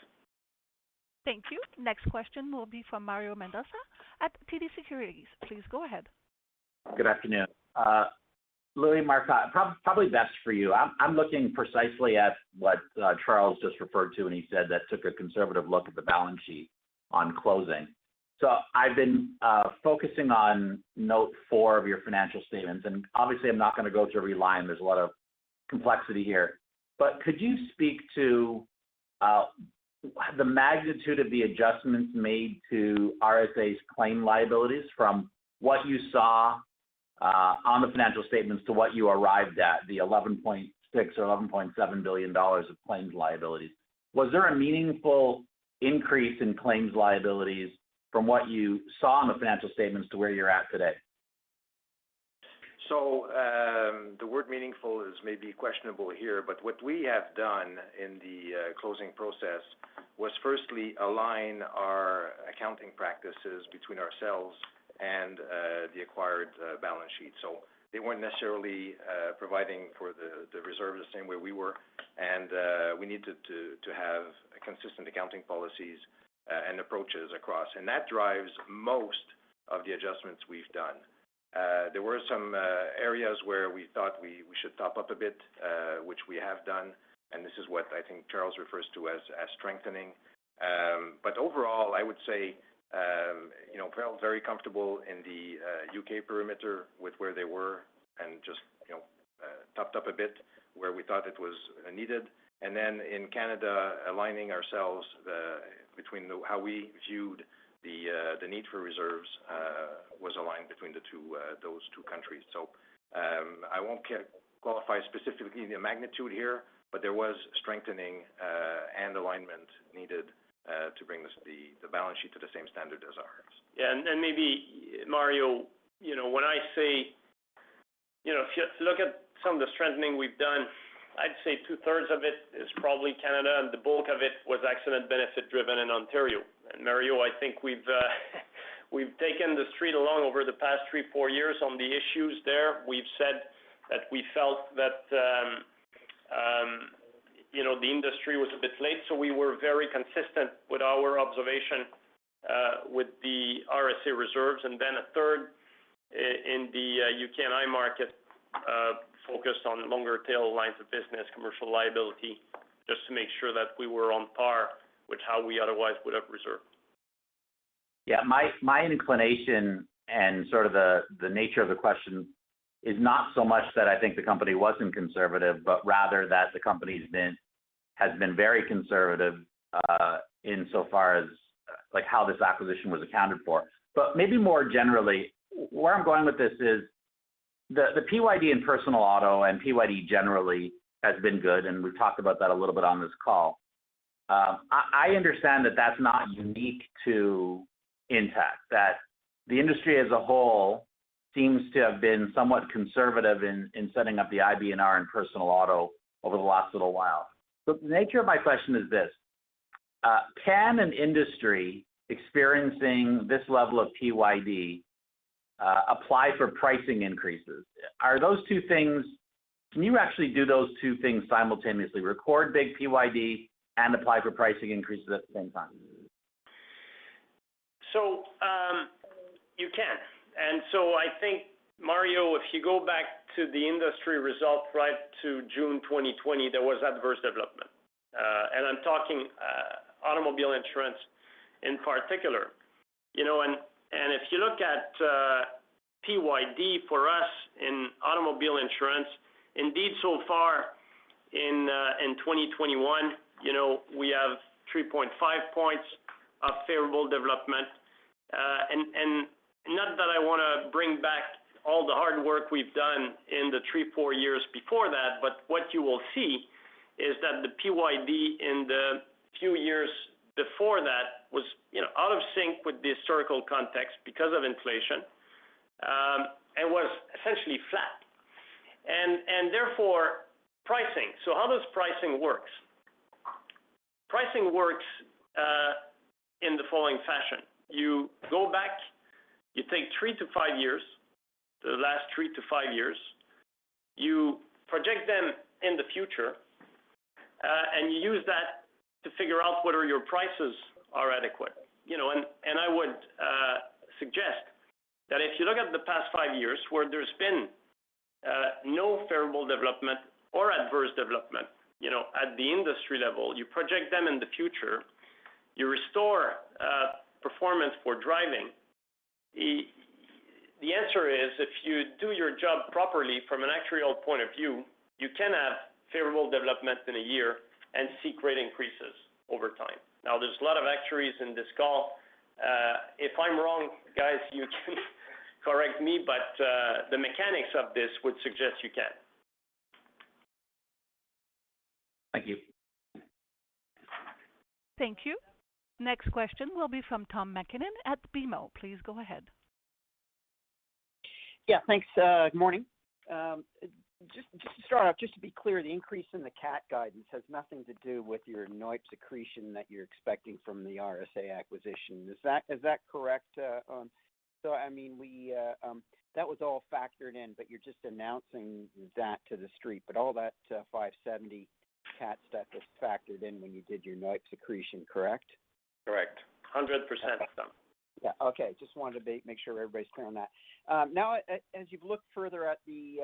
Thank you. Next question will be from Mario Mendonca at TD Securities. Please go ahead. Good afternoon. Louis Marcotte, probably best for you. I'm looking precisely at what Charles just referred to when he said that took a conservative look at the balance sheet on closing. I've been focusing on note four of your financial statements. Obviously, I'm not going to go through every line. There's a lot of complexity here. Could you speak to the magnitude of the adjustments made to RSA's claim liabilities from what you saw on the financial statements to what you arrived at, the 11.6 billion or 11.7 billion dollars of claims liabilities? Was there a meaningful increase in claims liabilities from what you saw on the financial statements to where you're at today? The word meaningful is maybe questionable here, but what we have done in the closing process was firstly align our accounting practices between ourselves and the acquired balance sheet. They weren't necessarily providing for the reserves the same way we were, and we needed to have consistent accounting policies and approaches across. That drives most of the adjustments we've done. There were some areas where we thought we should top up a bit, which we have done. This is what I think Charles refers to as strengthening. Overall, I would say, felt very comfortable in the U.K. perimeter with where they were and just topped up a bit where we thought it was needed. Then in Canada, aligning ourselves between how we viewed the need for reserves was aligned between those two countries. I won't qualify specifically the magnitude here, but there was strengthening and alignment needed to bring the balance sheet to the same standard as ours. Yeah. Maybe Mario, if you look at some of the strengthening we've done, I'd say two-thirds of it is probably Canada, and the bulk of it was accident benefit driven in Ontario. Mario, I think we've taken the street along over the past three, four years on the issues there. We've said that we felt that the industry was a bit late, so we were very consistent with our observation with the RSA reserves, then a third in the U.K. & I market focused on longer tail lines of business, commercial liability, just to make sure that we were on par with how we otherwise would have reserved. Yeah, my inclination and sort of the nature of the question is not so much that I think the company wasn't conservative, but rather that the company has been very conservative insofar as how this acquisition was accounted for. Maybe more generally, where I'm going with this is the PYD in personal auto and PYD generally has been good, and we've talked about that a little bit on this call. I understand that's not unique to Intact, that the industry as a whole seems to have been somewhat conservative in setting up the IBNR in personal auto over the last little while. The nature of my question is this. Can an industry experiencing this level of PYD apply for pricing increases? Can you actually do those two things simultaneously, record big PYD and apply for pricing increases at the same time? You can. I think, Mario, if you go back to the industry results right to June 2020, there was adverse development. I'm talking automobile insurance in particular. If you look at PYD for us in automobile insurance, indeed so far in 2021 we have 3.5 points of favorable development. Not that I want to bring back all the hard work we've done in the three, four years before that, what you will see is that the PYD in the few years before that was out of sync with the historical context because of inflation, was essentially flat. Therefore pricing. How does pricing work? Pricing works in the following fashion. You go back, you take three-five years, the last three-five years, you project them in the future, you use that to figure out whether your prices are adequate. I would suggest that if you look at the past five years where there's been no favorable development or adverse development at the industry level, you project them in the future, you restore performance for driving. The answer is, if you do your job properly from an actuarial point of view, you can have favorable developments in one year and see great increases over time. There's a lot of actuaries in this call. If I'm wrong, guys, you can correct me, the mechanics of this would suggest you can. Thank you. Thank you. Next question will be from Tom MacKinnon at BMO. Please go ahead. Yeah, thanks. Good morning. Just to start off, just to be clear, the increase in the CAT guidance has nothing to do with your NOIPS that you're expecting from the RSA acquisition. Is that correct? I mean, that was all factored in, but you're just announcing that to the street. All that 570 CAT stuff is factored in when you did your NOIPS, correct? Correct. 100%, Tom. Yeah. Okay. Just wanted to make sure everybody's clear on that. As you've looked further at the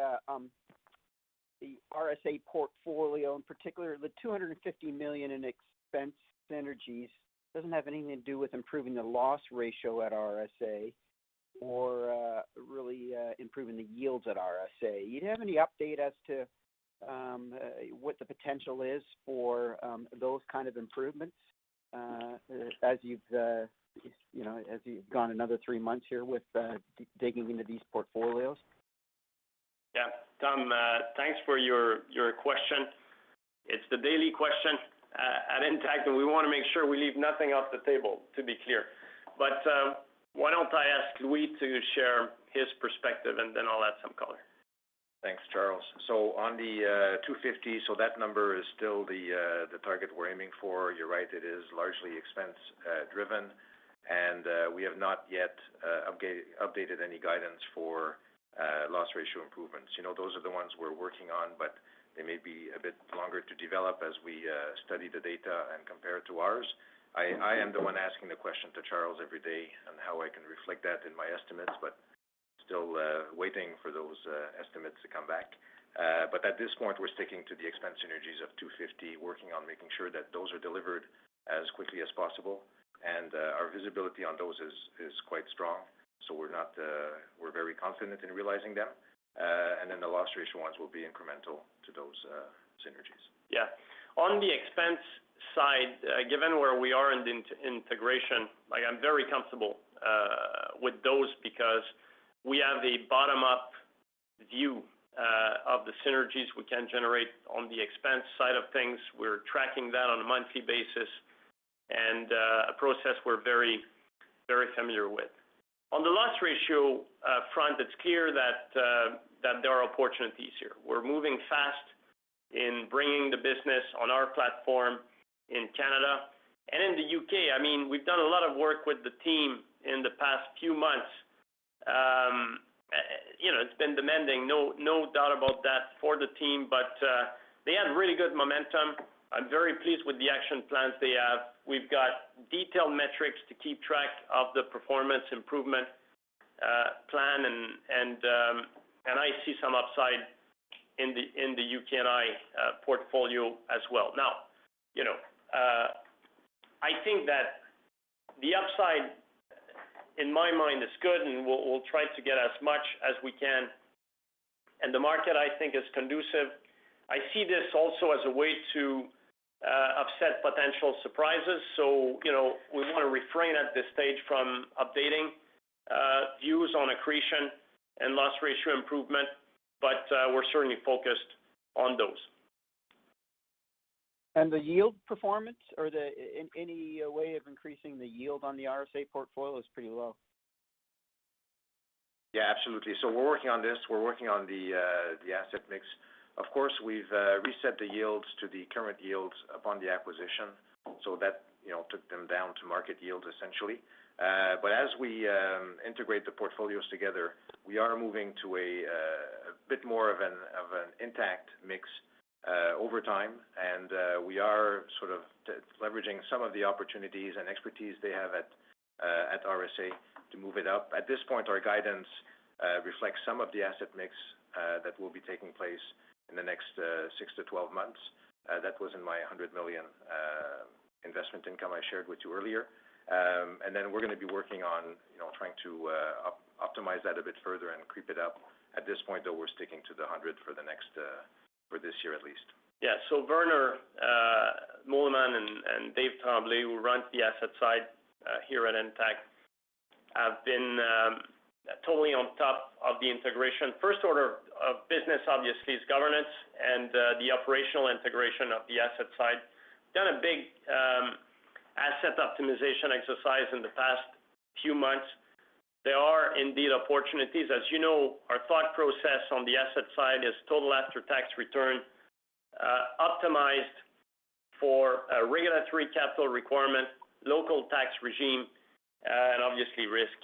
RSA portfolio, in particular, the 250 million in expense synergies doesn't have anything to do with improving the loss ratio at RSA or really improving the yields at RSA. Do you have any update as to what the potential is for those kind of improvements as you've gone another three months here with digging into these portfolios? Yeah. Tom, thanks for your question. It's the daily question at Intact, and we want to make sure we leave nothing off the table, to be clear. Why don't I ask Louis to share his perspective, and then I'll add some color. Thanks, Charles. On the 250, that number is still the target we're aiming for. You're right, it is largely expense-driven. We have not yet updated any guidance for loss ratio improvements. Those are the ones we're working on. They may be a bit longer to develop as we study the data and compare it to ours. I am the one asking the question to Charles every day on how I can reflect that in my estimates, still waiting for those estimates to come back. At this point, we're sticking to the expense synergies of 250, working on making sure that those are delivered as quickly as possible. Our visibility on those is quite strong. We're very confident in realizing them. The loss ratio ones will be incremental to those synergies. Yeah. On the expense side, given where we are in the integration, I'm very comfortable with those because we have the bottom-up view of the synergies we can generate on the expense side of things. We're tracking that on a monthly basis. A process we're very familiar with. On the loss ratio front, it's clear that there are opportunities here. We're moving fast in bringing the business on our platform in Canada and in the U.K. We've done a lot of work with the team in the past few months. It's been demanding, no doubt about that for the team, but they have really good momentum. I'm very pleased with the action plans they have. We've got detailed metrics to keep track of the performance improvement plan, and I see some upside in the U.K. & I portfolio as well. I think that the upside in my mind is good, and we'll try to get as much as we can, and the market, I think, is conducive. I see this also as a way to offset potential surprises. We want to refrain at this stage from updating views on accretion and loss ratio improvement, but we're certainly focused on those. The yield performance or any way of increasing the yield on the RSA portfolio is pretty low. Absolutely. We're working on this. We're working on the asset mix. Of course, we've reset the yields to the current yields upon the acquisition, that took them down to market yield, essentially. As we integrate the portfolios together, we are moving to a bit more of an Intact mix over time, and we are sort of leveraging some of the opportunities and expertise they have at RSA to move it up. At this point, our guidance reflects some of the asset mix that will be taking place in the next 6-12 months. That was in my 100 million investment income I shared with you earlier. We're going to be working on trying to optimize that a bit further and creep it up. At this point, though, we're sticking to the 100 for this year at least. Yeah. Werner Muehlemann and David Tremblay, who run the asset side here at Intact, have been totally on top of the integration. First order of business, obviously, is governance and the operational integration of the asset side. Done a big asset optimization exercise in the past few months. There are indeed opportunities. As you know, our thought process on the asset side is total after-tax return, optimized for regulatory capital requirement, local tax regime, and obviously risk.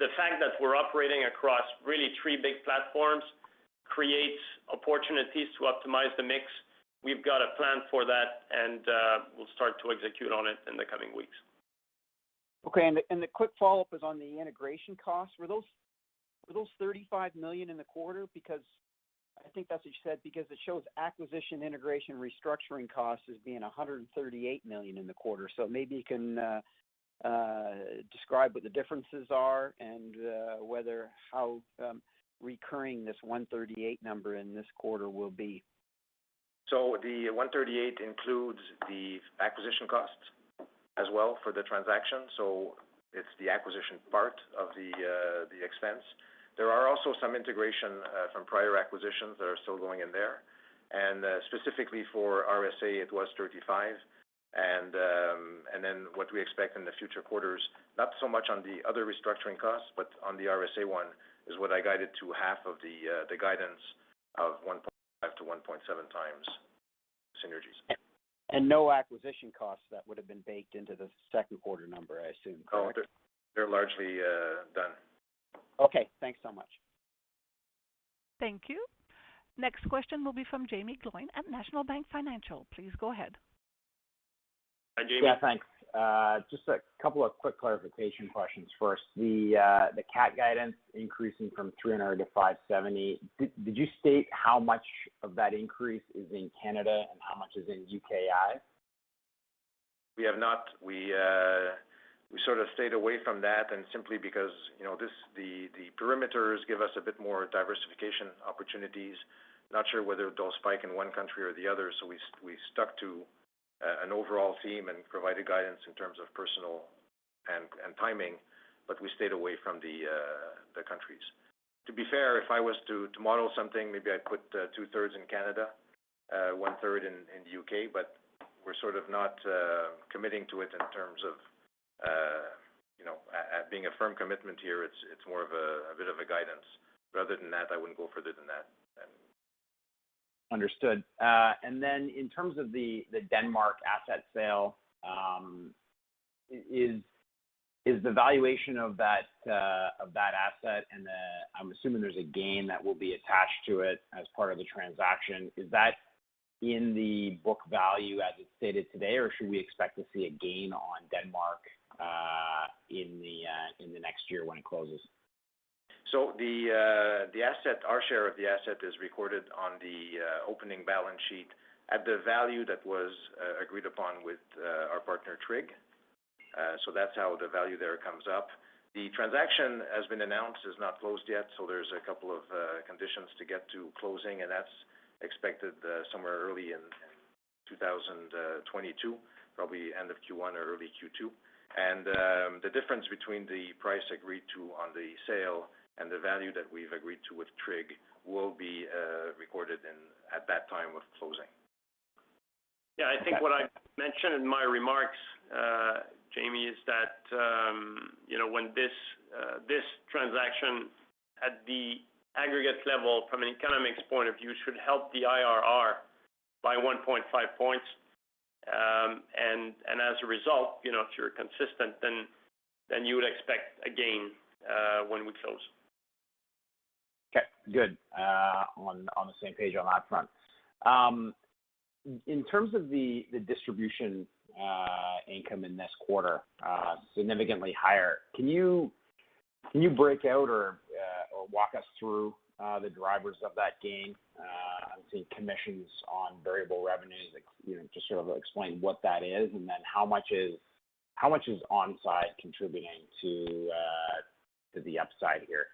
The fact that we're operating across really three big platforms creates opportunities to optimize the mix. We've got a plan for that, and we'll start to execute on it in the coming weeks. Okay, the quick follow-up is on the integration costs. Were those 35 million in the quarter? I think that's what you said, because it shows acquisition integration restructuring costs as being 138 million in the quarter. Maybe you can describe what the differences are and how recurring this 138 number in this quarter will be. The 138 includes the acquisition costs as well for the transaction. It's the acquisition part of the expense. There are also some integration from prior acquisitions that are still going in there. Specifically for RSA, it was 35. Then what we expect in the future quarters, not so much on the other restructuring costs, but on the RSA one, is what I guided to half of the guidance of 1.5-1.7x synergies. No acquisition costs that would have been baked into the second quarter number, I assume, correct? They're largely done. Okay, thanks so much. Thank you. Next question will be from Jaeme Gloyn at National Bank Financial. Please go ahead. Hi, Jaeme. Yeah, thanks. Just a couple of quick clarification questions. First, the CAT guidance increasing from 300-570. Did you state how much of that increase is in Canada and how much is in U.K. & I? We have not. We sort of stayed away from that. Simply because the perimeters give us a bit more diversification opportunities. Not sure whether it'll spike in one country or the other. We stuck to an overall theme and provided guidance in terms of parameters and timing. We stayed away from the countries. To be fair, if I was to model something, maybe I'd put 2/3 in Canada, 1/3 in the U.K. We're sort of not committing to it in terms of being a firm commitment here. It's more of a bit of a guidance. Rather than that, I wouldn't go further than that. Understood. In terms of the Denmark asset sale, is the valuation of that asset, and I'm assuming there's a gain that will be attached to it as part of the transaction, in the book value as it's stated today, or should we expect to see a gain on Denmark in the next year when it closes? Our share of the asset is recorded on the opening balance sheet at the value that was agreed upon with our partner, Tryg. That's how the value there comes up. The transaction has been announced, it's not closed yet. There's a couple of conditions to get to closing, and that's expected somewhere early in 2022, probably end of Q1 or early Q2. The difference between the price agreed to on the sale and the value that we've agreed to with Tryg will be recorded at that time of closing. Yeah, I think what I mentioned in my remarks, Jaeme, is that when this transaction at the aggregate level from an economics point of view should help the IRR by 1.5 points. As a result, if you're consistent, then you would expect a gain when we close. Okay, good. On the same page on that front. In terms of the distribution income in this quarter, significantly higher. Can you break out or walk us through the drivers of that gain? I'm seeing commissions on variable revenues. Just sort of explain what that is and then how much is On side contributing to the upside here.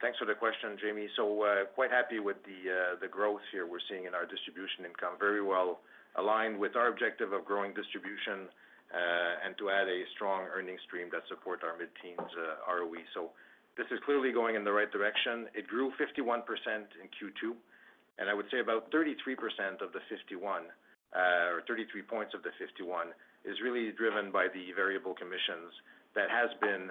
Thanks for the question, Jaeme. Quite happy with the growth here we're seeing in our distribution income. Very well aligned with our objective of growing distribution and to add a strong earning stream that support our mid-teens ROE. This is clearly going in the right direction. It grew 51% in Q2, and I would say about 33% of the 51 or 33 points of the 51 is really driven by the variable commissions that has been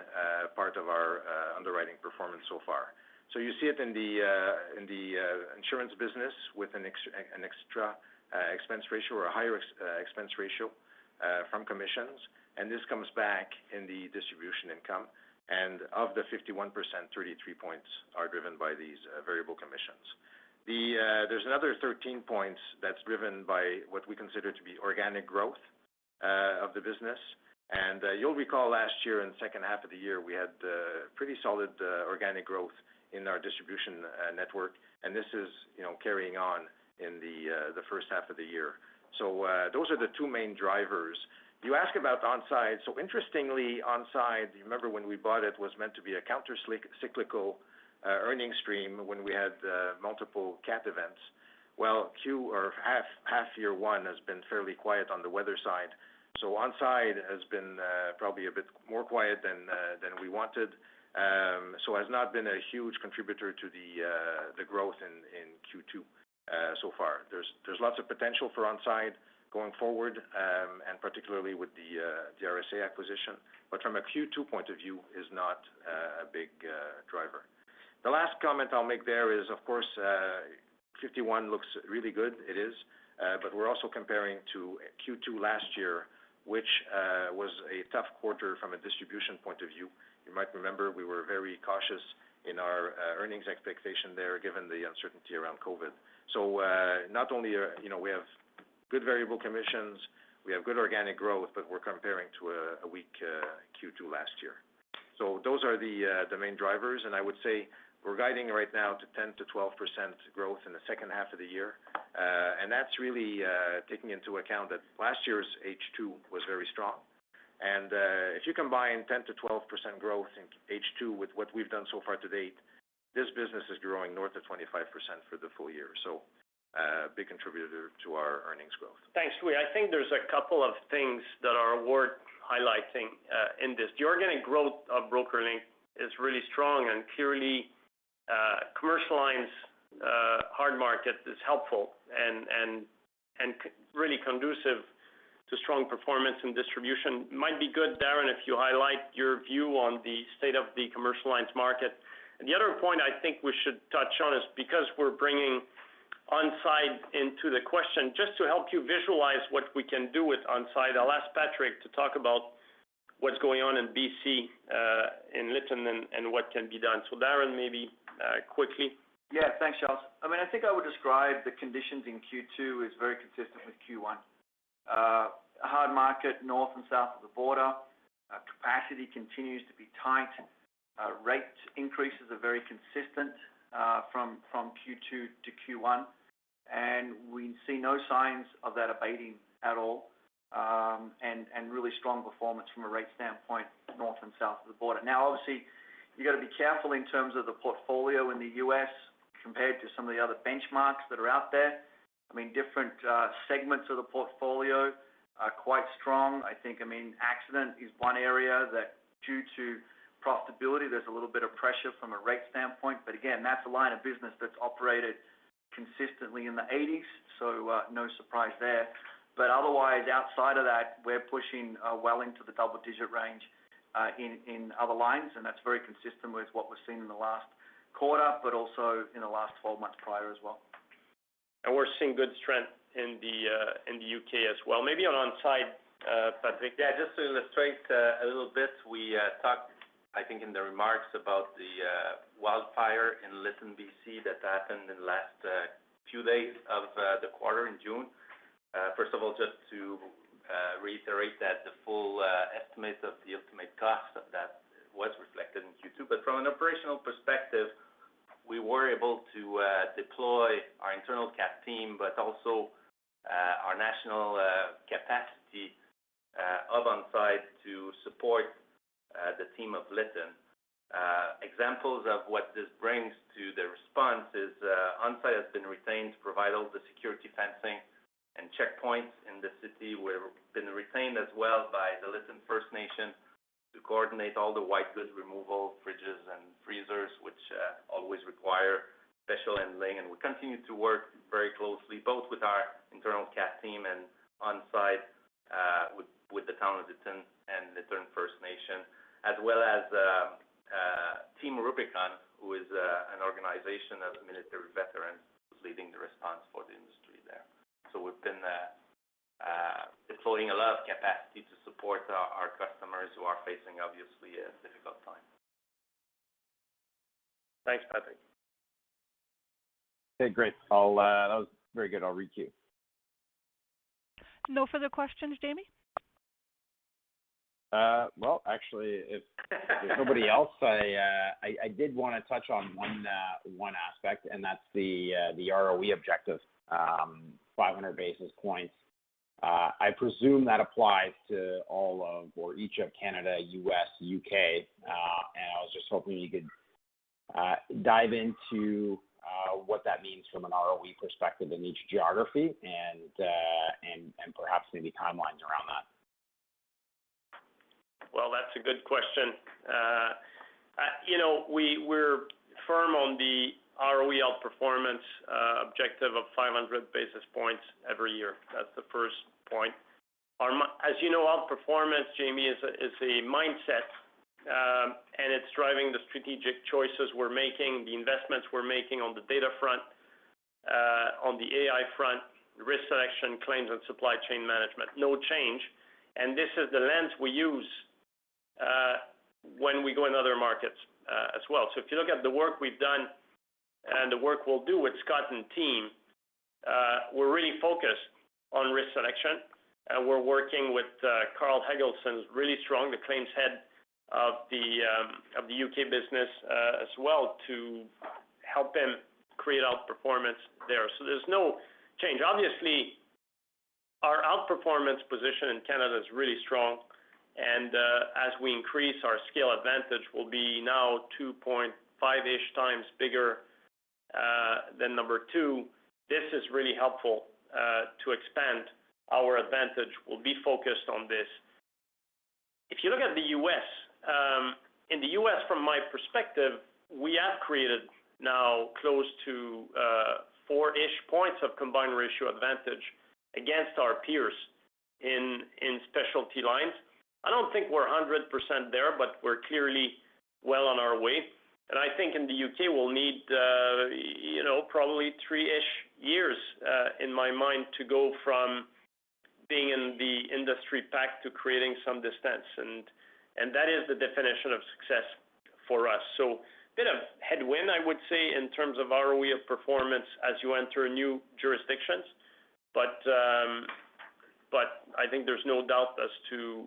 part of our underwriting performance so far. You see it in the insurance business with an extra expense ratio or a higher expense ratio from commissions, and this comes back in the distribution income. Of the 51%, 33 points are driven by these variable commissions. There's another 13 points that's driven by what we consider to be organic growth of the business. You'll recall last year in the second half of the year, we had pretty solid organic growth in our distribution network, and this is carrying on in the first half of the year. Those are the two main drivers. You ask about On side. Interestingly, On side, you remember when we bought it, was meant to be a counter-cyclical earning stream when we had multiple CAT events. Well, half year 1 has been fairly quiet on the weather side. On side has been probably a bit quieter than we wanted. Has not been a huge contributor to the growth in Q2 so far. There's lots of potential for On side going forward, and particularly with the RSA acquisition. From a Q2 point of view, is not a big driver. The last comment I'll make there is, of course, 51 looks really good. It is. We're also comparing to Q2 last year, which was a tough quarter from a distribution point of view. You might remember we were very cautious in our earnings expectation there, given the uncertainty around COVID. Not only we have good variable commissions, we have good organic growth, but we're comparing to a weak Q2 last year. Those are the main drivers, and I would say we're guiding right now to 10%-12% growth in the second half of the year. That's really taking into account that last year's H2 was very strong. If you combine 10%-12% growth in H2 with what we've done so far to date, this business is growing north of 25% for the full year. A big contributor to our earnings growth. Thanks, Louis. I think there's a couple of things that are worth highlighting in this. The organic growth of BrokerLink is really strong, and clearly, commercial lines hard market is helpful and really conducive to strong performance and distribution. Might be good, Darren, if you highlight your view on the state of the commercial lines market. The other point I think we should touch on is because we're bringing Onsite into the question, just to help you visualize what we can do with Onsite, I'll ask Patrick to talk about what's going on in B.C., in Lytton, and what can be done. Darren, maybe quickly. Yeah. Thanks, Charles. I think I would describe the conditions in Q2 as very consistent with Q1. A hard market, north and south of the border. Capacity continues to be tight. Rate increases are very consistent from Q2-Q1, and we see no signs of that abating at all, and really strong performance from a rate standpoint north and south of the border. Now, obviously, you've got to be careful in terms of the portfolio in the U.S. compared to some of the other benchmarks that are out there. Different segments of the portfolio are quite strong. I think accident is one area that due to profitability, there's a little bit of pressure from a rate standpoint, but again, that's a line of business that's operated consistently in the 80s, so no surprise there. Otherwise, outside of that, we're pushing well into the double-digit range in other lines, and that's very consistent with what was seen in the last quarter, but also in the last 12 months prior as well. We're seeing good strength in the U.K. as well. Maybe on Onsite, Patrick. Yeah, just to illustrate a little bit, we talked, I think, in the remarks about the wildfire in Lytton, B.C., that happened in the last few days of the quarter in June. First of all, just to reiterate that the full estimate of the ultimate cost of that was reflected in Q2. From an operational perspective, we were able to deploy our internal CAT team, but also our national capacity of On Side to support the team of Lytton. Examples of what this brings to good removal, fridges, and freezers, which always require special handling. We continue to work very closely, both with our internal CAT team and On Side Restoration with the town of Lytton and Lytton First Nation, as well as Team Rubicon, who is an organization of military veterans who's leading the response for the industry there. We've been deploying a lot of capacity to support our customers who are facing obviously a difficult time. Thanks, Patrick. Okay, great. That was very good. I'll re-queue. No further questions, Jaeme? Well, actually, if there's nobody else, I did want to touch on one aspect, and that's the ROE objective, 500 basis points. I presume that applies to all of or each of Canada, U.S., U.K., and I was just hoping you could dive into what that means from an ROE perspective in each geography and perhaps maybe timelines around that? Well, that's a good question. We're firm on the ROE outperformance objective of 500 basis points every year. That's the first point. As you know, outperformance, Jaeme, is a mindset, and it's driving the strategic choices we're making, the investments we're making on the data front, on the AI front, risk selection, claims, and supply chain management. No change. This is the lens we use when we go in other markets as well. If you look at the work we've done and the work we'll do with Scott and team, we're really focused on risk selection, and we're working with Karl Helgesen really strong, the claims head of the U.K. business as well to help him create outperformance there. There's no change. Obviously, our outperformance position in Canada is really strong. As we increase our scale advantage, we'll be now two point five-ish times bigger. Number two, this is really helpful to expand our advantage. We'll be focused on this. If you look at the U.S., in the U.S. from my perspective, we have created now close to four-ish points of combined ratio advantage against our peers in specialty lines. I don't think we're 100% there, but we're clearly well on our way. I think in the U.K., we'll need probably three-ish years, in my mind, to go from being in the industry pack to creating some distance. That is the definition of success for us. A bit of headwind, I would say, in terms of ROE performance as you enter new jurisdictions. I think there's no doubt as to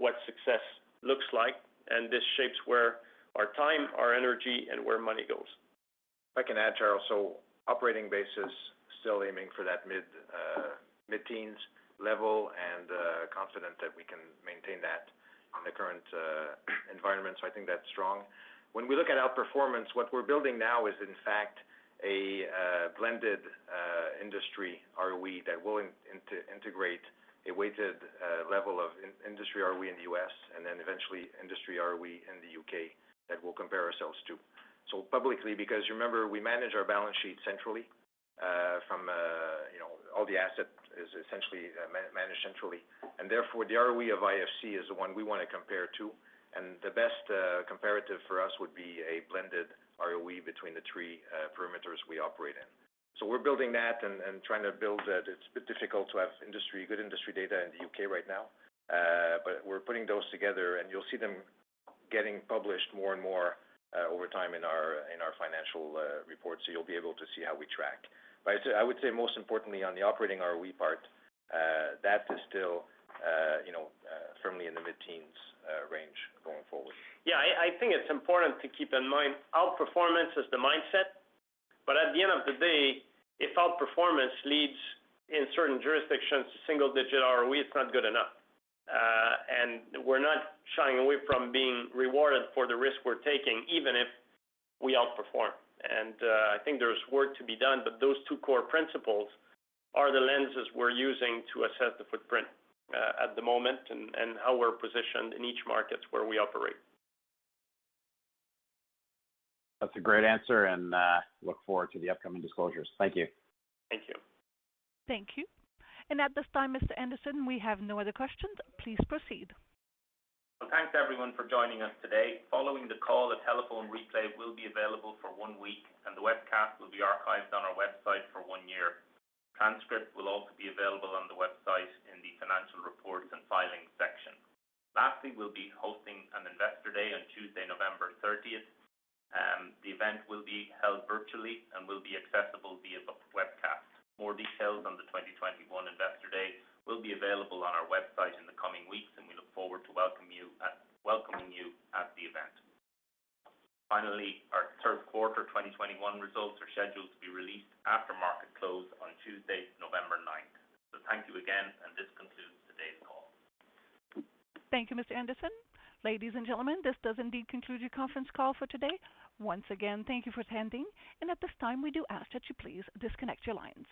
what success looks like, and this shapes where our time, our energy, and where money goes. If I can add, Charles, operating basis, still aiming for that mid-teens level and confident that we can maintain that in the current environment. I think that's strong. When we look at outperformance, what we're building now is in fact a blended industry ROE that will integrate a weighted level of industry ROE in the U.S. and then eventually industry ROE in the U.K. that we'll compare ourselves to. Publicly, because remember, we manage our balance sheet centrally from all the asset is essentially managed centrally. Therefore, the ROE of IFC is the one we want to compare to. The best comparative for us would be a blended ROE between the three perimeters we operate in. We're building that and trying to build that. It's a bit difficult to have good industry data in the U.K. right now. We're putting those together, and you'll see them getting published more and more over time in our financial reports, so you'll be able to see how we track. I would say most importantly on the operating ROE part, that is still firmly in the mid-teens range going forward. Yeah, I think it's important to keep in mind outperformance is the mindset. At the end of the day, if outperformance leads in certain jurisdictions to single-digit ROE, it's not good enough. We're not shying away from being rewarded for the risk we're taking, even if we outperform. I think there's work to be done, but those two core principles are the lenses we're using to assess the footprint at the moment and how we're positioned in each market where we operate. That's a great answer, and look forward to the upcoming disclosures. Thank you. Thank you. Thank you. At this time, Mr. Anderson, we have no other questions. Please proceed. Well, thanks, everyone, for joining us today. Following the call, a telephone replay will be available for one week, and the webcast will be archived on our website for one year. Transcripts will also be available on the website in the Financial Reports and Filings section. We'll be hosting an Investor Day on Tuesday, November 30th. The event will be held virtually and will be accessible via webcast. More details on the 2021 Investor Day will be available on our website in the coming weeks, and we look forward to welcoming you at the event. Our third quarter 2021 results are scheduled to be released after market close on Tuesday, November 9th. Thank you again, and this concludes today's call. Thank you, Mr. Anderson. Ladies and gentlemen, this does indeed conclude your conference call for today. Once again, thank you for attending, and at this time, we do ask that you please disconnect your lines.